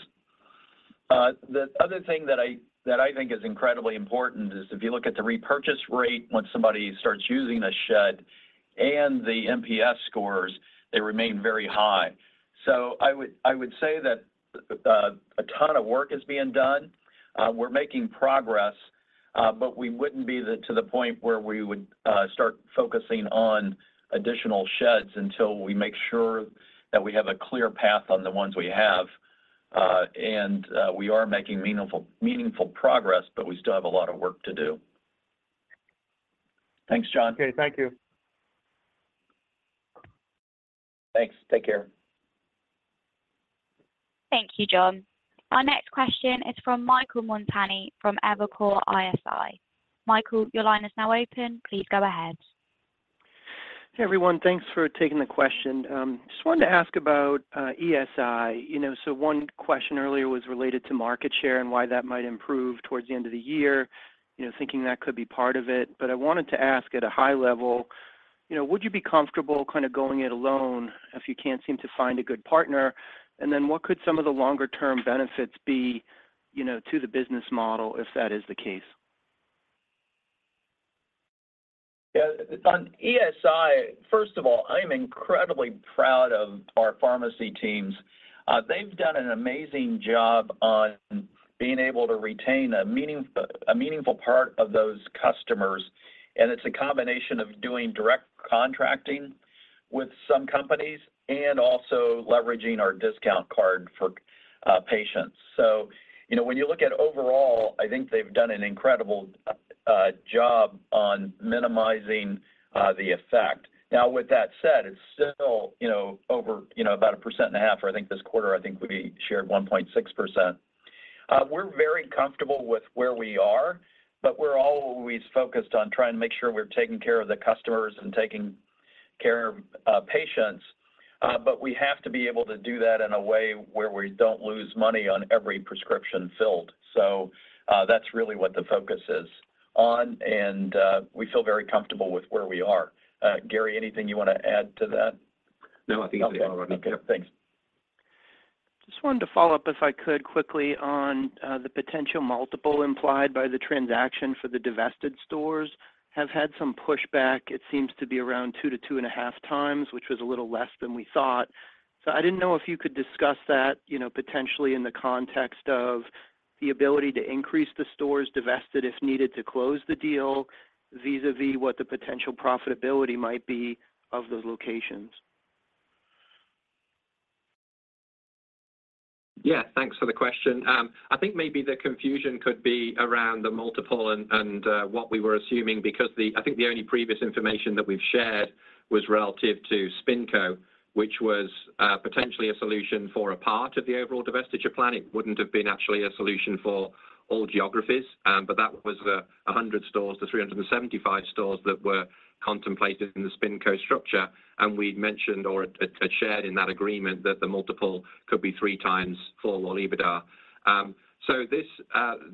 The other thing that I think is incredibly important is if you look at the repurchase rate, once somebody starts using the shed and the NPS scores, they remain very high. So I would say that a ton of work is being done. We're making progress, but we wouldn't be to the point where we would start focusing on additional sheds until we make sure that we have a clear path on the ones we have, and we are making meaningful, meaningful progress, but we still have a lot of work to do. Thanks, John. Okay, thank you. Thanks. Take care. Thank you, John. Our next question is from Michael Montani, from Evercore ISI. Michael, your line is now open. Please go ahead. Hey, everyone. Thanks for taking the question. Just wanted to ask about ESI. You know, so one question earlier was related to market share and why that might improve towards the end of the year, you know, thinking that could be part of it. But I wanted to ask at a high level, you know, would you be comfortable kind of going it alone if you can't seem to find a good partner? And then what could some of the longer term benefits be, you know, to the business model, if that is the case? Yeah, on ESI, first of all, I'm incredibly proud of our pharmacy teams. They've done an amazing job on being able to retain a meaningful part of those customers, and it's a combination of doing direct contracting with some companies and also leveraging our discount card for patients. So, you know, when you look at overall, I think they've done an incredible job on minimizing the effect. Now, with that said, it's still, you know, over, you know, about 1.5%, I think this quarter, I think we shared 1.6%. We're very comfortable with where we are, but we're always focused on trying to make sure we're taking care of the customers and taking care of patients. But we have to be able to do that in a way where we don't lose money on every prescription filled. So, that's really what the focus is on, and we feel very comfortable with where we are. Gary, anything you want to add to that? No, I think you hit it all, Rodney. Okay, thanks. Just wanted to follow up, if I could, quickly on the potential multiple implied by the transaction for the divested stores have had some pushback. It seems to be around 2x-2.5x, which was a little less than we thought. So I didn't know if you could discuss that, you know, potentially in the context of the ability to increase the stores divested, if needed, to close the deal, vis-a-vis what the potential profitability might be of those locations. Yeah, thanks for the question. I think maybe the confusion could be around the multiple and, and, what we were assuming, because the... I think the only previous information that we've shared was relative to SpinCo, which was, potentially a solution for a part of the overall divestiture plan. It wouldn't have been actually a solution for all geographies, but that was the 100 stores, the 375 stores that were contemplated in the SpinCo structure. And we'd mentioned or had, had, had shared in that agreement that the multiple could be 3x four-wall EBITDA. So this,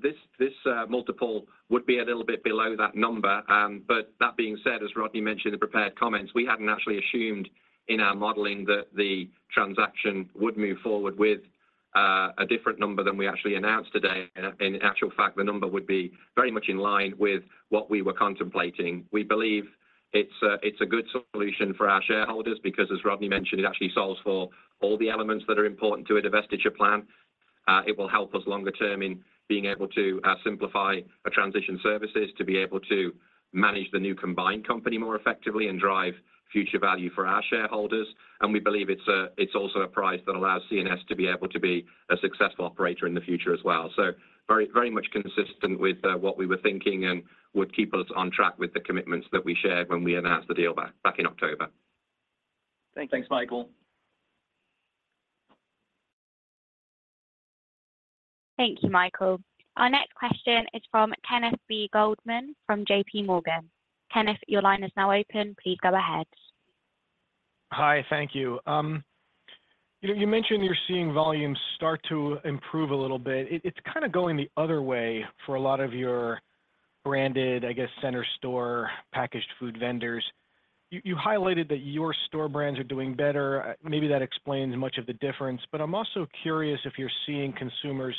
this, this, multiple would be a little bit below that number. But that being said, as Rodney mentioned in the prepared comments, we hadn't actually assumed in our modeling that the transaction would move forward with a different number than we actually announced today. And in actual fact, the number would be very much in line with what we were contemplating. We believe it's a good solution for our shareholders, because, as Rodney mentioned, it actually solves for all the elements that are important to a divestiture plan. It will help us longer term in being able to simplify a transition services, to be able to manage the new combined company more effectively and drive future value for our shareholders. And we believe it's also a price that allows C&S to be able to be a successful operator in the future as well. So very, very much consistent with what we were thinking and would keep us on track with the commitments that we shared when we announced the deal back, back in October. Thank you. Thanks, Michael. Thank you, Michael. Our next question is from Kenneth B. Goldman from JPMorgan. Kenneth, your line is now open. Please go ahead. Hi, thank you. You know, you mentioned you're seeing volumes start to improve a little bit. It's kind of going the other way for a lot of your branded, I guess, center store, packaged food vendors. You highlighted that your store brands are doing better. Maybe that explains much of the difference, but I'm also curious if you're seeing consumers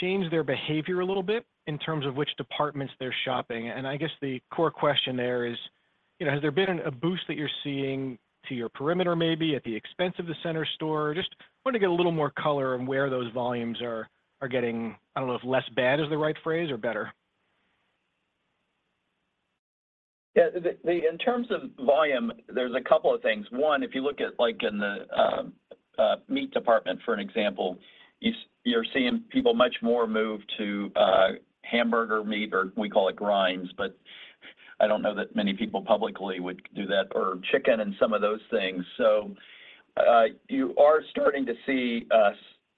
change their behavior a little bit in terms of which departments they're shopping. And I guess the core question there is, you know, has there been a boost that you're seeing to your perimeter, maybe at the expense of the center store? Just want to get a little more color on where those volumes are getting, I don't know if less bad is the right phrase or better. Yeah, the in terms of volume, there's a couple of things. One, if you look at like in the meat department, for an example, you're seeing people much more move to hamburger meat, or we call it grinds, but I don't know that many people publicly would do that, or chicken and some of those things. So you are starting to see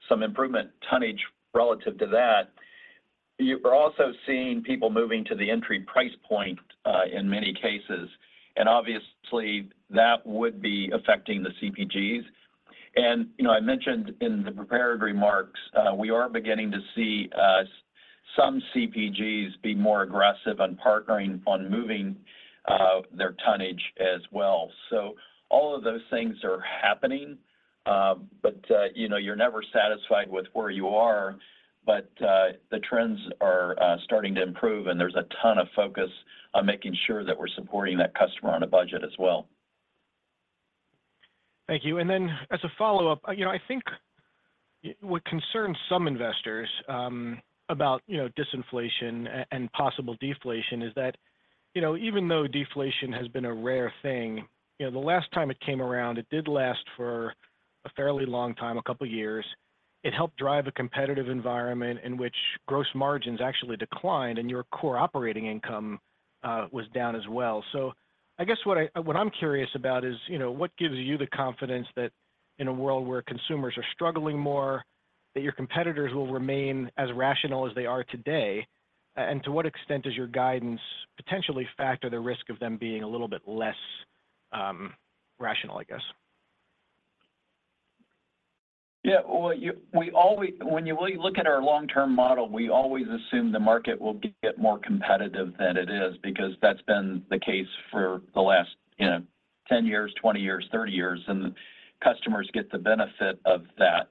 some improvement tonnage relative to that. You are also seeing people moving to the entry price point in many cases, and obviously, that would be affecting the CPGs. And, you know, I mentioned in the prepared remarks, we are beginning to see some CPGs be more aggressive on partnering on moving their tonnage as well. So all of those things are happening, but you know, you're never satisfied with where you are. The trends are starting to improve, and there's a ton of focus on making sure that we're supporting that customer on a budget as well. Thank you. And then, as a follow-up, you know, I think what concerns some investors about, you know, disinflation and possible deflation is that, you know, even though deflation has been a rare thing, you know, the last time it came around, it did last for a fairly long time, a couple of years. It helped drive a competitive environment in which gross margins actually declined, and your core operating income was down as well. So I guess what I'm curious about is, you know, what gives you the confidence that in a world where consumers are struggling more, that your competitors will remain as rational as they are today? And to what extent does your guidance potentially factor the risk of them being a little bit less rational, I guess? Yeah. Well, we always—when you look at our long-term model, we always assume the market will get more competitive than it is because that's been the case for the last, you know, 10 years, 20 years, 30 years, and customers get the benefit of that.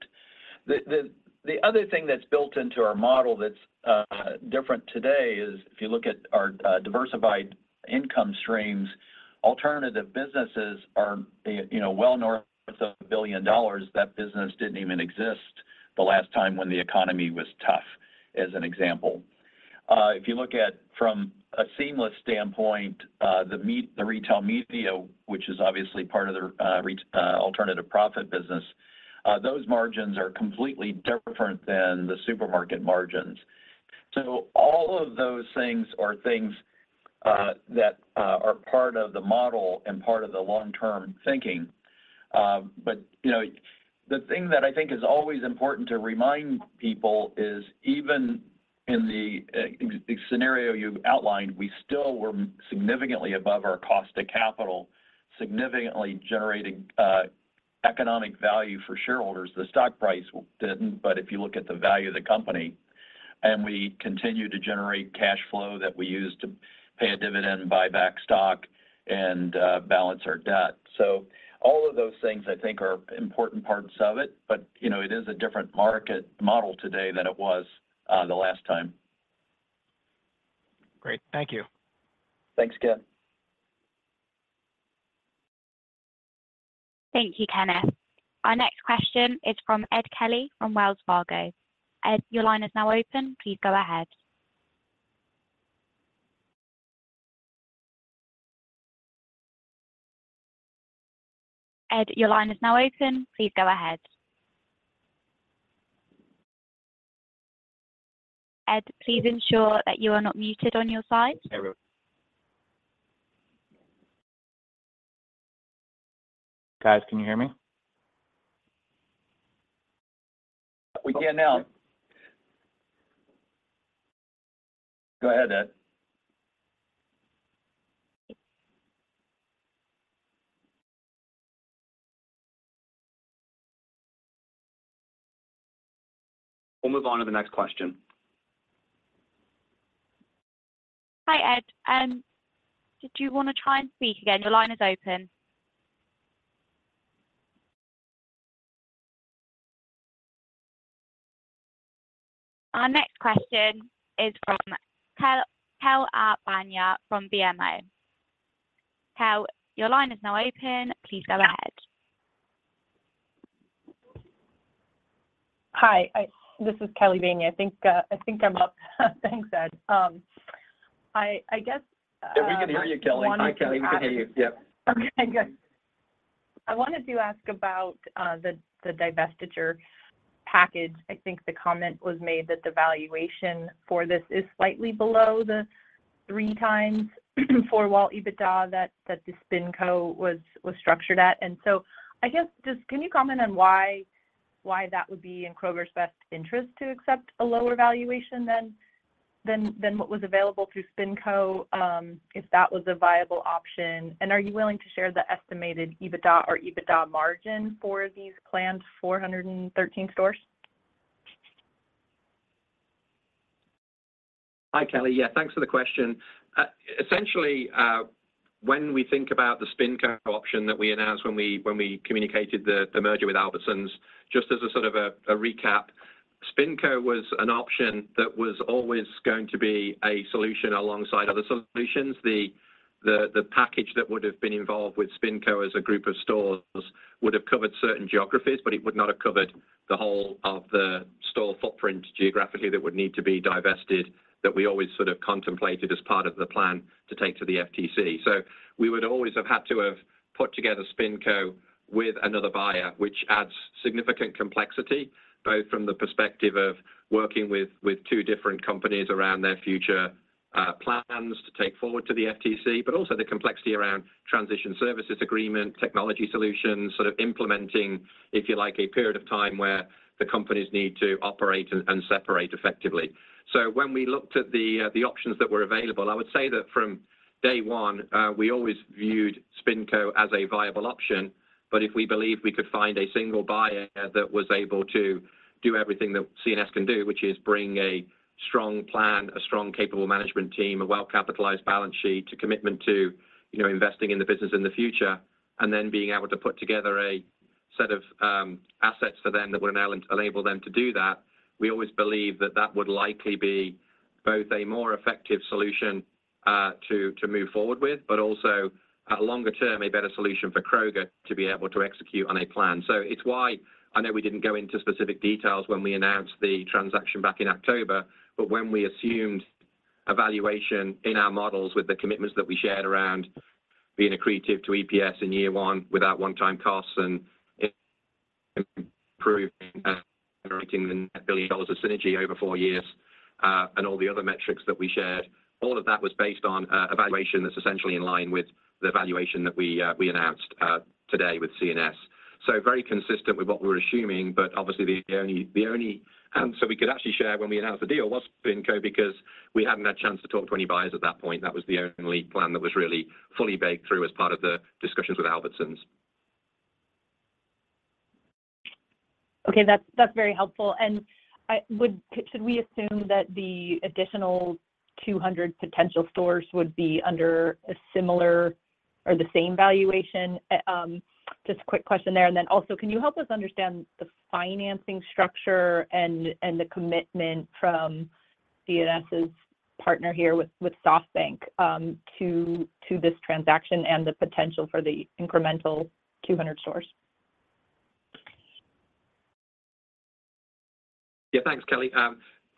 The other thing that's built into our model that's different today is if you look at our diversified income streams, alternative businesses are, you know, well north of $1 billion. That business didn't even exist the last time when the economy was tough, as an example. If you look at from a seamless standpoint, the retail media, which is obviously part of the alternative profit business, those margins are completely different than the supermarket margins. So all of those things are things that are part of the model and part of the long-term thinking. But, you know, the thing that I think is always important to remind people is even in the scenario you've outlined, we still were significantly above our cost of capital, significantly generating economic value for shareholders. The stock price didn't, but if you look at the value of the company, and we continue to generate cash flow that we use to pay a dividend, buy back stock, and balance our debt. So all of those things, I think, are important parts of it, but, you know, it is a different market model today than it was the last time. Great. Thank you. Thanks, Ken. Thank you, Kenneth. Our next question is from Ed Kelly from Wells Fargo. Ed, your line is now open. Please go ahead. Ed, your line is now open. Please go ahead. Ed, please ensure that you are not muted on your side. Guys, can you hear me? We can now. Go ahead, Ed. We'll move on to the next question. Hi, Ed. Did you want to try and speak again? Your line is open. Our next question is from Kelly Bania from BMO. Kel, your line is now open. Please go ahead. Hi, this is Kelly Bania. I think, I think I'm up. Thanks, Ed. I, I guess, I wanted to ask- We can hear you, Kelly. Hi, Kelly, we can hear you. Yep. Okay, good. I wanted to ask about the divestiture package. I think the comment was made that the valuation for this is slightly below the 3x four-wall EBITDA that the SpinCo was structured at. And so I guess, just can you comment on why that would be in Kroger's best interest to accept a lower valuation than what was available through SpinCo, if that was a viable option? And are you willing to share the estimated EBITDA or EBITDA margin for these planned 413 stores? Hi, Kelly. Yeah, thanks for the question. Essentially, when we think about the SpinCo option that we announced when we communicated the merger with Albertsons, just as a sort of a recap, SpinCo was an option that was always going to be a solution alongside other solutions. The package that would have been involved with SpinCo as a group of stores would have covered certain geographies, but it would not have covered the whole of the store footprint geographically that would need to be divested, that we always sort of contemplated as part of the plan to take to the FTC. So we would always have had to have put together SpinCo with another buyer, which adds significant complexity, both from the perspective of working with two different companies around their future-... plans to take forward to the FTC, but also the complexity around transition services agreement, technology solutions, sort of implementing, if you like, a period of time where the companies need to operate and separate effectively. So when we looked at the options that were available, I would say that from day one, we always viewed SpinCo as a viable option. But if we believe we could find a single buyer that was able to do everything that C&S can do, which is bring a strong plan, a strong, capable management team, a well-capitalized balance sheet, a commitment to, you know, investing in the business in the future, and then being able to put together a set of assets for them that would enable them to do that, we always believed that that would likely be both a more effective solution, to move forward with, but also, at longer term, a better solution for Kroger to be able to execute on a plan. So it's why I know we didn't go into specific details when we announced the transaction back in October, but when we assumed a valuation in our models with the commitments that we shared around being accretive to EPS in year one, without one-time costs and improving and generating the $1 billion of synergy over four years, and all the other metrics that we shared, all of that was based on a valuation that's essentially in line with the valuation that we announced today with C&S. So very consistent with what we're assuming, but obviously the only, the only answer we could actually share when we announced the deal was SpinCo, because we hadn't had a chance to talk to any buyers at that point. That was the only plan that was really fully baked through as part of the discussions with Albertsons. Okay, that's very helpful. Should we assume that the additional 200 potential stores would be under a similar or the same valuation? Just a quick question there, and then also, can you help us understand the financing structure and the commitment from C&S's partner here with SoftBank to this transaction and the potential for the incremental 200 stores? Yeah, thanks, Kelly.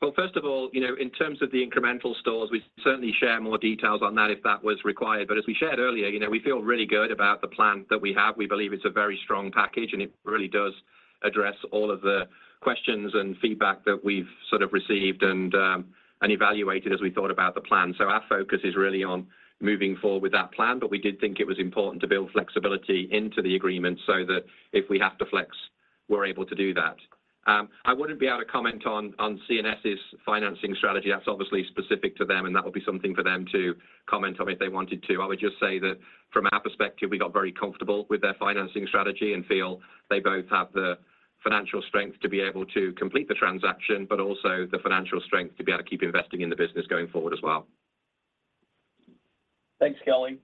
Well, first of all, you know, in terms of the incremental stores, we certainly share more details on that if that was required, but as we shared earlier, you know, we feel really good about the plan that we have. We believe it's a very strong package, and it really does address all of the questions and feedback that we've sort of received and evaluated as we thought about the plan. So our focus is really on moving forward with that plan, but we did think it was important to build flexibility into the agreement so that if we have to flex, we're able to do that. I wouldn't be able to comment on C&S's financing strategy. That's obviously specific to them, and that would be something for them to comment on if they wanted to. I would just say that from our perspective, we got very comfortable with their financing strategy and feel they both have the financial strength to be able to complete the transaction, but also the financial strength to be able to keep investing in the business going forward as well. Thanks, Kelly.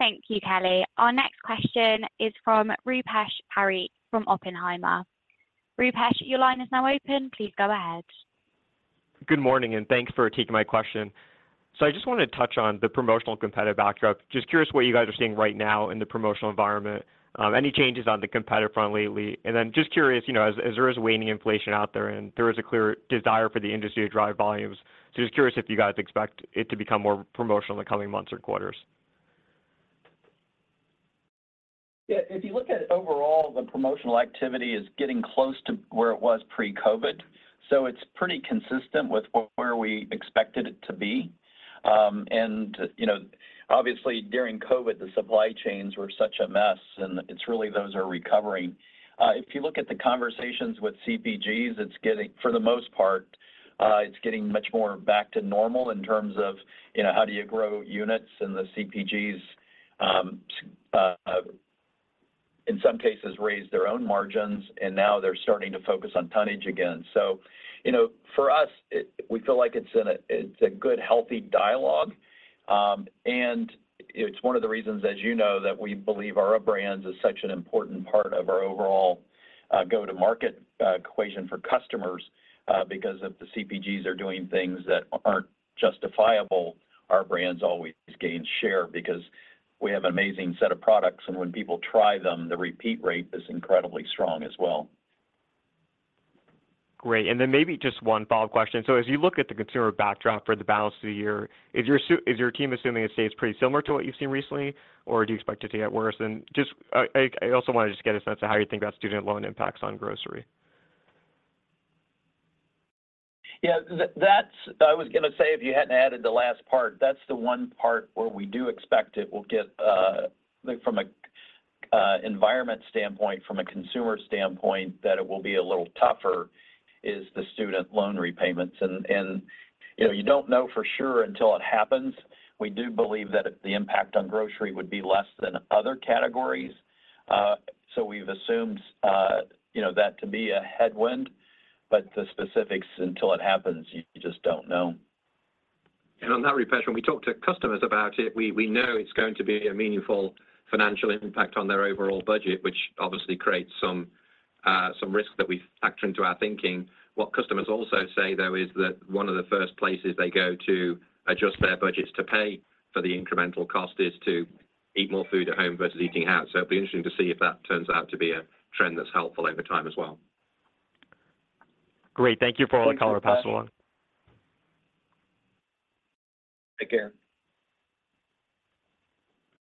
Thank you, Kelly. Our next question is from Rupesh Parikh from Oppenheimer. Rupesh, your line is now open. Please go ahead. Good morning, and thanks for taking my question. So I just wanted to touch on the promotional competitive backdrop. Just curious what you guys are seeing right now in the promotional environment. Any changes on the competitive front lately? And then just curious, you know, as there is waning inflation out there, and there is a clear desire for the industry to drive volumes, so just curious if you guys expect it to become more promotional in the coming months or quarters. Yeah, if you look at it overall, the promotional activity is getting close to where it was pre-COVID, so it's pretty consistent with where we expected it to be. And, you know, obviously during COVID, the supply chains were such a mess, and it's really those are recovering. If you look at the conversations with CPGs, it's getting, for the most part, it's getting much more back to normal in terms of, you know, how do you grow units and the CPGs, in some cases raised their own margins, and now they're starting to focus on tonnage again. So, you know, for us, we feel like it's a good, healthy dialogue, and it's one of the reasons, as you know, that we believe Our Brands is such an important part of our overall, go-to-market equation for customers, because if the CPGs are doing things that aren't justifiable, Our Brands always gain share because we have an amazing set of products, and when people try them, the repeat rate is incredibly strong as well. Great, and then maybe just one follow-up question. So as you look at the consumer backdrop for the balance of the year, is your team assuming it stays pretty similar to what you've seen recently, or do you expect it to get worse? And just, I also wanted to just get a sense of how you think about student loan impacts on grocery. Yeah, that's-- I was gonna say, if you hadn't added the last part, that's the one part where we do expect it will get, like from a environment standpoint, from a consumer standpoint, that it will be a little tougher, is the student loan repayments. And, you know, you don't know for sure until it happens. We do believe that the impact on grocery would be less than other categories. So we've assumed, you know, that to be a headwind, but the specifics, until it happens, you just don't know. On that, Rupesh, when we talk to customers about it, we know it's going to be a meaningful financial impact on their overall budget, which obviously creates some risk that we factor into our thinking. What customers also say, though, is that one of the first places they go to adjust their budgets to pay for the incremental cost is to eat more food at home versus eating out. So it'll be interesting to see if that turns out to be a trend that's helpful over time as well. Great. Thank you for all the color, Rupesh.... again.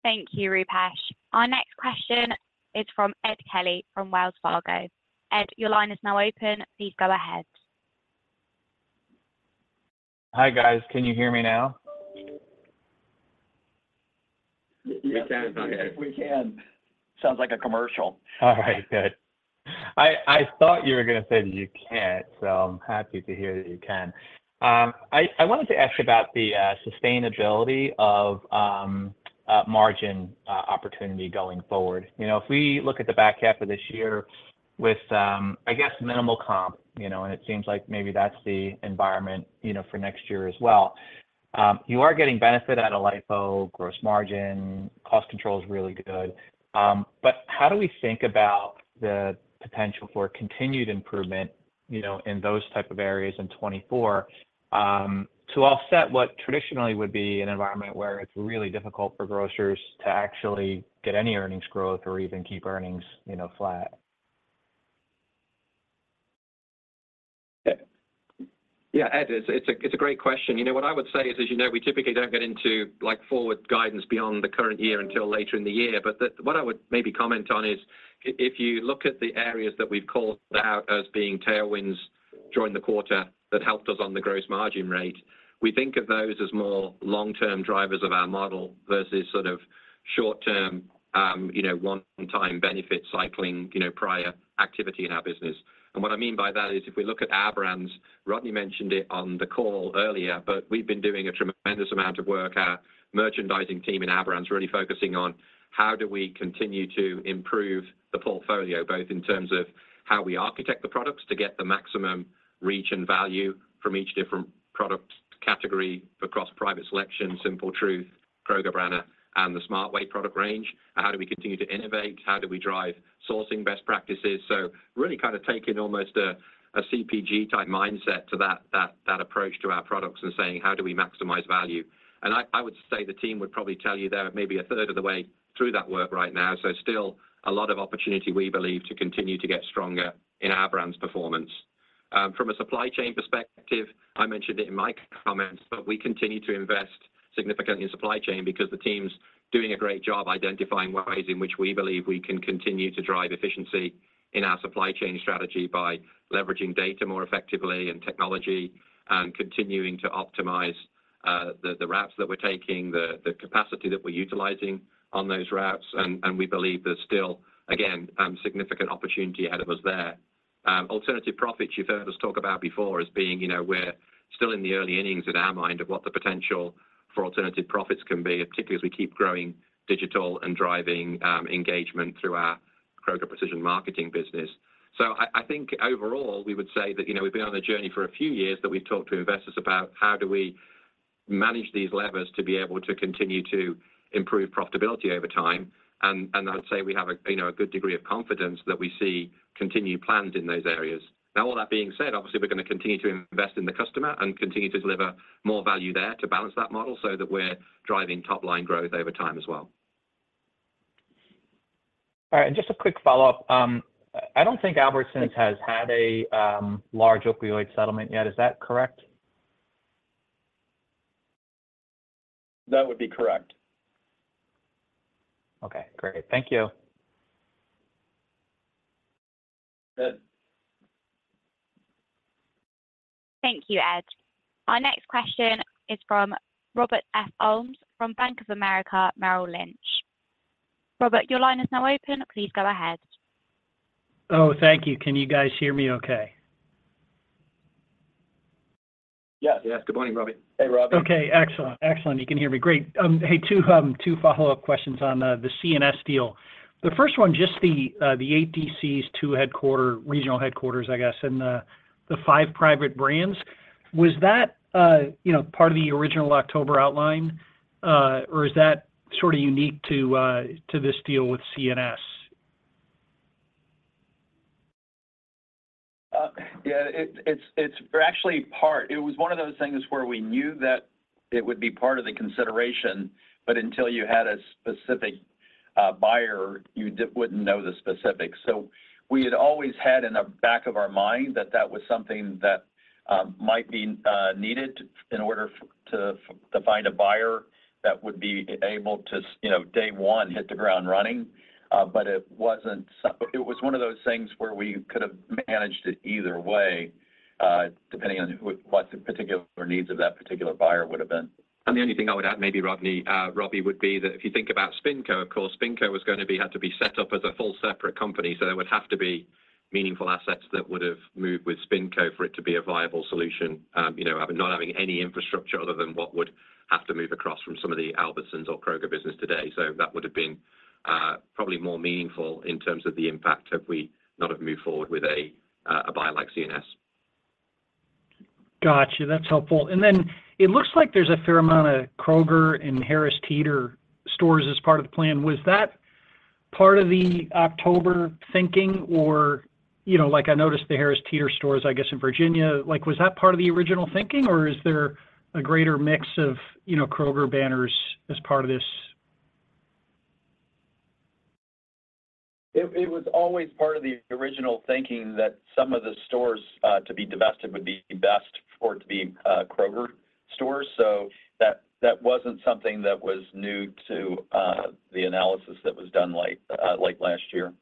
Thank you, Rupesh. Our next question is from Ed Kelly from Wells Fargo. Ed, your line is now open. Please go ahead. Hi, guys. Can you hear me now? We can. We can. Sounds like a commercial. All right, good. I, I thought you were gonna say you can't, so I'm happy to hear that you can. I wanted to ask you about the sustainability of margin opportunity going forward. You know, if we look at the back half of this year with, I guess, minimal comp, you know, and it seems like maybe that's the environment, you know, for next year as well. You are getting benefit out of LIFO, gross margin, cost control is really good. But how do we think about the potential for continued improvement, you know, in those type of areas in 2024 to offset what traditionally would be an environment where it's really difficult for grocers to actually get any earnings growth or even keep earnings, you know, flat? Yeah, Ed, it's a, it's a great question. You know, what I would say is, as you know, we typically don't get into, like, forward guidance beyond the current year until later in the year. But what I would maybe comment on is, if, if you look at the areas that we've called out as being tailwinds during the quarter, that helped us on the gross margin rate. We think of those as more long-term drivers of our model versus sort of short-term, you know, one-time benefit cycling, you know, prior activity in our business. And what I mean by that is, if we look at Our Brands, Rodney mentioned it on the call earlier, but we've been doing a tremendous amount of work. Our merchandising team in Our Brands really focusing on how do we continue to improve the portfolio, both in terms of how we architect the products to get the maximum reach and value from each different product category across Private Selection, Simple Truth, Kroger Brand, and the Smart Way product range. And how do we continue to innovate? How do we drive sourcing best practices? So really kind of taking almost a CPG type mindset to that approach to our products and saying, "How do we maximize value?" And I would say the team would probably tell you they're maybe a third of the way through that work right now, so still a lot of opportunity, we believe, to continue to get stronger in Our Brands' performance. From a supply chain perspective, I mentioned it in my comments, but we continue to invest significantly in supply chain because the team's doing a great job identifying ways in which we believe we can continue to drive efficiency in our supply chain strategy by leveraging data more effectively, and technology, and continuing to optimize the routes that we're taking, the capacity that we're utilizing on those routes, and we believe there's still, again, significant opportunity ahead of us there. Alternative profits you've heard us talk about before as being, you know, we're still in the early innings in our mind of what the potential for alternative profits can be, particularly as we keep growing digital and driving engagement through our Kroger Precision Marketing business. So I think overall, we would say that, you know, we've been on a journey for a few years, that we've talked to investors about how do we manage these levers to be able to continue to improve profitability over time. And I'd say we have a, you know, a good degree of confidence that we see continued plans in those areas. Now, all that being said, obviously, we're gonna continue to invest in the customer and continue to deliver more value there to balance that model so that we're driving top-line growth over time as well. All right, and just a quick follow-up. I don't think Albertsons has had a large opioid settlement yet. Is that correct? That would be correct. Okay, great. Thank you. Ed. Thank you, Ed. Our next question is from Robbie Ohmes, from Bank of America Merrill Lynch. Robert, your line is now open. Please go ahead. Oh, thank you. Can you guys hear me okay? Yes. Yes. Good morning, Robbie. Hey, Robbie. Okay, excellent. Excellent, you can hear me. Great, hey, two follow-up questions on the C&S deal. The first one, just the ATCs, two regional headquarters, I guess, and the five private brands. Was that, you know, part of the original October outline, or is that sort of unique to this deal with C&S? Yeah, it's, it's actually part. It was one of those things where we knew that it would be part of the consideration, but until you had a specific buyer, you wouldn't know the specifics. So we had always had in the back of our mind that that was something that might be needed in order to find a buyer that would be able to, you know, day one, hit the ground running. But it wasn't. So it was one of those things where we could have managed it either way, depending on what the particular needs of that particular buyer would have been. And the only thing I would add, maybe Rodney, Robbie, would be that if you think about SpinCo, of course, SpinCo was gonna be, had to be set up as a full separate company. So there would have to be meaningful assets that would have moved with SpinCo for it to be a viable solution. You know, not having any infrastructure other than what would have to move across from some of the Albertsons or Kroger business today. So that would have been, probably more meaningful in terms of the impact had we not have moved forward with a, a buy like C&S. Gotcha, that's helpful. And then it looks like there's a fair amount of Kroger and Harris Teeter stores as part of the plan. Was that part of the October thinking or, you know, like I noticed the Harris Teeter stores, I guess, in Virginia. Like, was that part of the original thinking, or is there a greater mix of, you know, Kroger banners as part of this, It was always part of the original thinking that some of the stores to be divested would be best for it to be Kroger stores. So that wasn't something that was new to the analysis that was done late last year.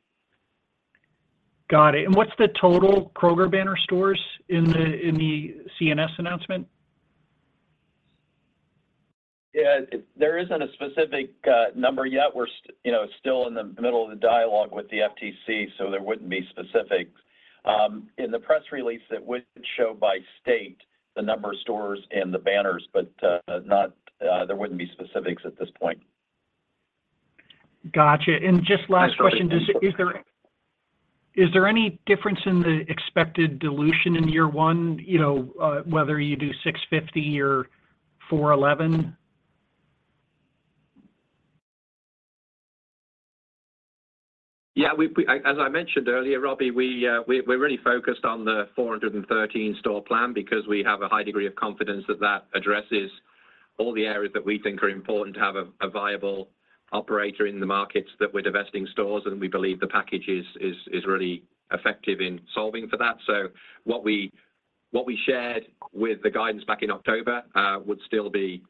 Got it. And what's the total Kroger banner stores in the C&S announcement? Yeah, there isn't a specific number yet. We're, you know, still in the middle of the dialogue with the FTC, so there wouldn't be specifics. In the press release, it would show by state the number of stores and the banners, but not, there wouldn't be specifics at this point. Gotcha. And just last question, is there any difference in the expected dilution in year one, you know, whether you do 650 or 411? Yeah, as I mentioned earlier, Robbie, we're really focused on the 413 store plan because we have a high degree of confidence that that addresses all the areas that we think are important to have a viable operator in the markets that we're divesting stores, and we believe the package is really effective in solving for that. So what we shared with the guidance back in October would still be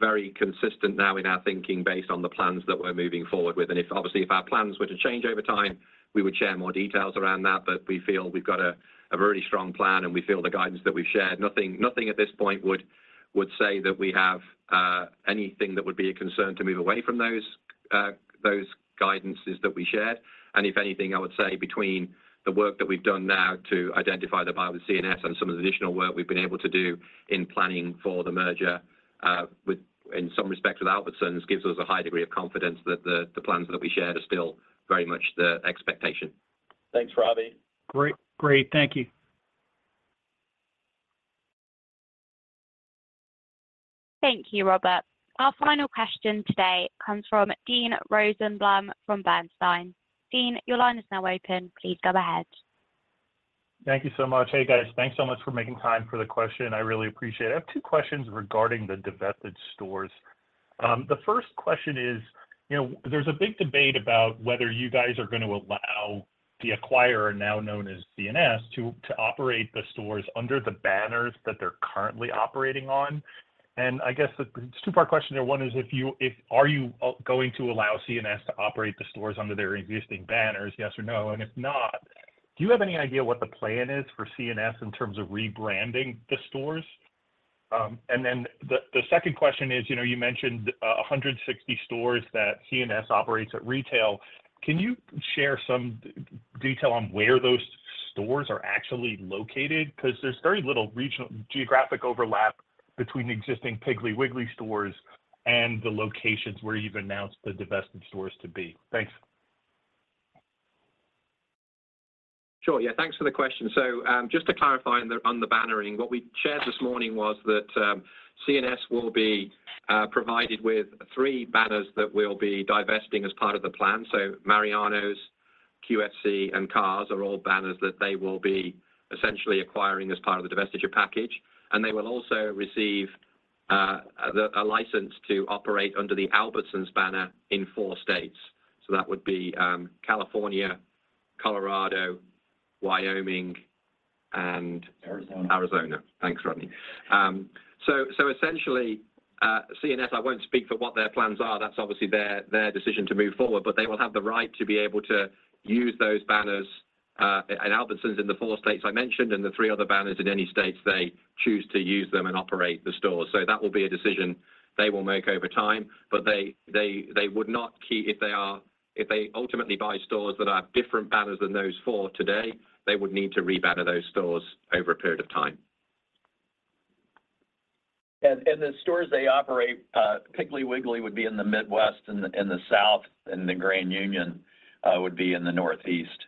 very consistent now in our thinking, based on the plans that we're moving forward with. And, obviously, if our plans were to change over time, we would share more details around that. But we feel we've got a very strong plan, and we feel the guidance that we've shared. Nothing, nothing at this point would say that we have anything that would be a concern to move away from those guidances that we shared. And if anything, I would say between the work that we've done now to identify the buy with C&S and some of the additional work we've been able to do in planning for the merger, with, in some respects, with Albertsons, gives us a high degree of confidence that the plans that we shared are still very much the expectation. Thanks, Robbie. Great, great. Thank you. Thank you, Robert. Our final question today comes from Dean Rosenblum from Bernstein. Dean, your line is now open. Please go ahead. Thank you so much. Hey, guys. Thanks so much for making time for the question. I really appreciate it. I have two questions regarding the divested stores. The first question is, you know, there's a big debate about whether you guys are gonna allow the acquirer, now known as C&S, to operate the stores under the banners that they're currently operating on. And I guess the two-part question, and one is if you, if are you going to allow C&S to operate the stores under their existing banners, yes or no? And if not, do you have any idea what the plan is for C&S in terms of rebranding the stores? And then the second question is, you know, you mentioned a hundred and sixty stores that C&S operates at retail. Can you share some detail on where those stores are actually located? Because there's very little regional geographic overlap between existing Piggly Wiggly stores and the locations where you've announced the divested stores to be. Thanks. Sure. Yeah, thanks for the question. So, just to clarify on the bannering, what we shared this morning was that, C&S will be provided with three banners that we'll be divesting as part of the plan. So Mariano's, QFC, and Carrs are all banners that they will be essentially acquiring as part of the divestiture package, and they will also receive a license to operate under the Albertsons banner in four states. So that would be California, Colorado, Wyoming, and- Arizona. Arizona. Thanks, Rodney. So essentially, C&S, I won't speak for what their plans are, that's obviously their decision to move forward, but they will have the right to be able to use those banners at Albertsons in the four states I mentioned, and the three other banners in any states they choose to use them and operate the stores. So that will be a decision they will make over time. But they would not, if they ultimately buy stores that have different banners than those four today, they would need to rebanner those stores over a period of time. And the stores they operate, Piggly Wiggly would be in the Midwest and in the South, and the Grand Union would be in the Northeast.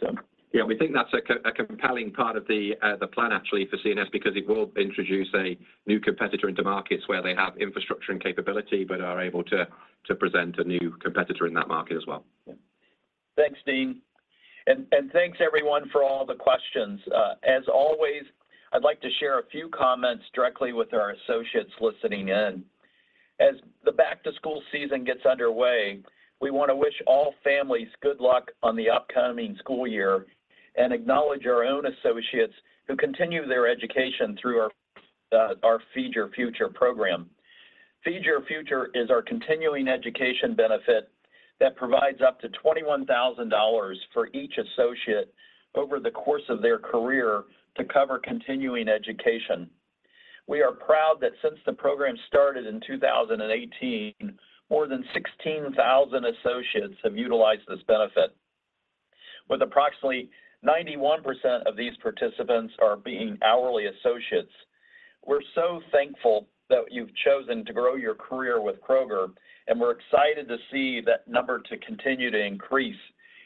So... Yeah, we think that's a compelling part of the plan actually for C&S because it will introduce a new competitor into markets where they have infrastructure and capability, but are able to present a new competitor in that market as well. Yeah. Thanks, Dean. And thanks everyone for all the questions. As always, I'd like to share a few comments directly with our associates listening in. As the back-to-school season gets underway, we want to wish all families good luck on the upcoming school year and acknowledge our own associates who continue their education through our, our Feed Your Future program. Feed Your Future is our continuing education benefit that provides up to $21,000 for each associate over the course of their career to cover continuing education. We are proud that since the program started in 2018, more than 16,000 associates have utilized this benefit. With approximately 91% of these participants are being hourly associates, we're so thankful that you've chosen to grow your career with Kroger, and we're excited to see that number to continue to increase,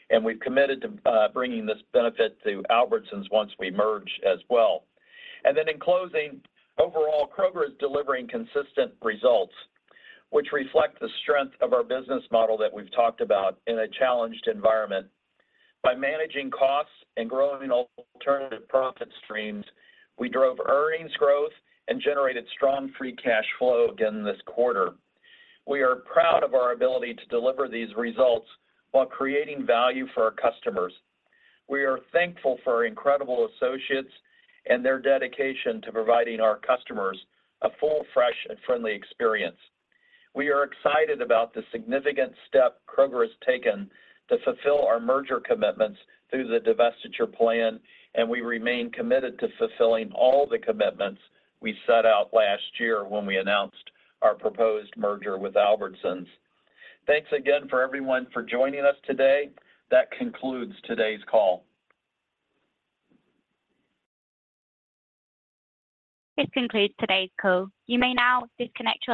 and we've committed to bringing this benefit to Albertsons once we merge as well. Then in closing, overall, Kroger is delivering consistent results, which reflect the strength of our business model that we've talked about in a challenged environment. By managing costs and growing alternative profit streams, we drove earnings growth and generated strong free cash flow again this quarter. We are proud of our ability to deliver these results while creating value for our customers. We are thankful for our incredible associates and their dedication to providing our customers a full, fresh, and friendly experience. We are excited about the significant step Kroger has taken to fulfill our merger commitments through the divestiture plan, and we remain committed to fulfilling all the commitments we set out last year when we announced our proposed merger with Albertsons. Thanks again for everyone for joining us today. That concludes today's call. This concludes today's call. You may now disconnect your-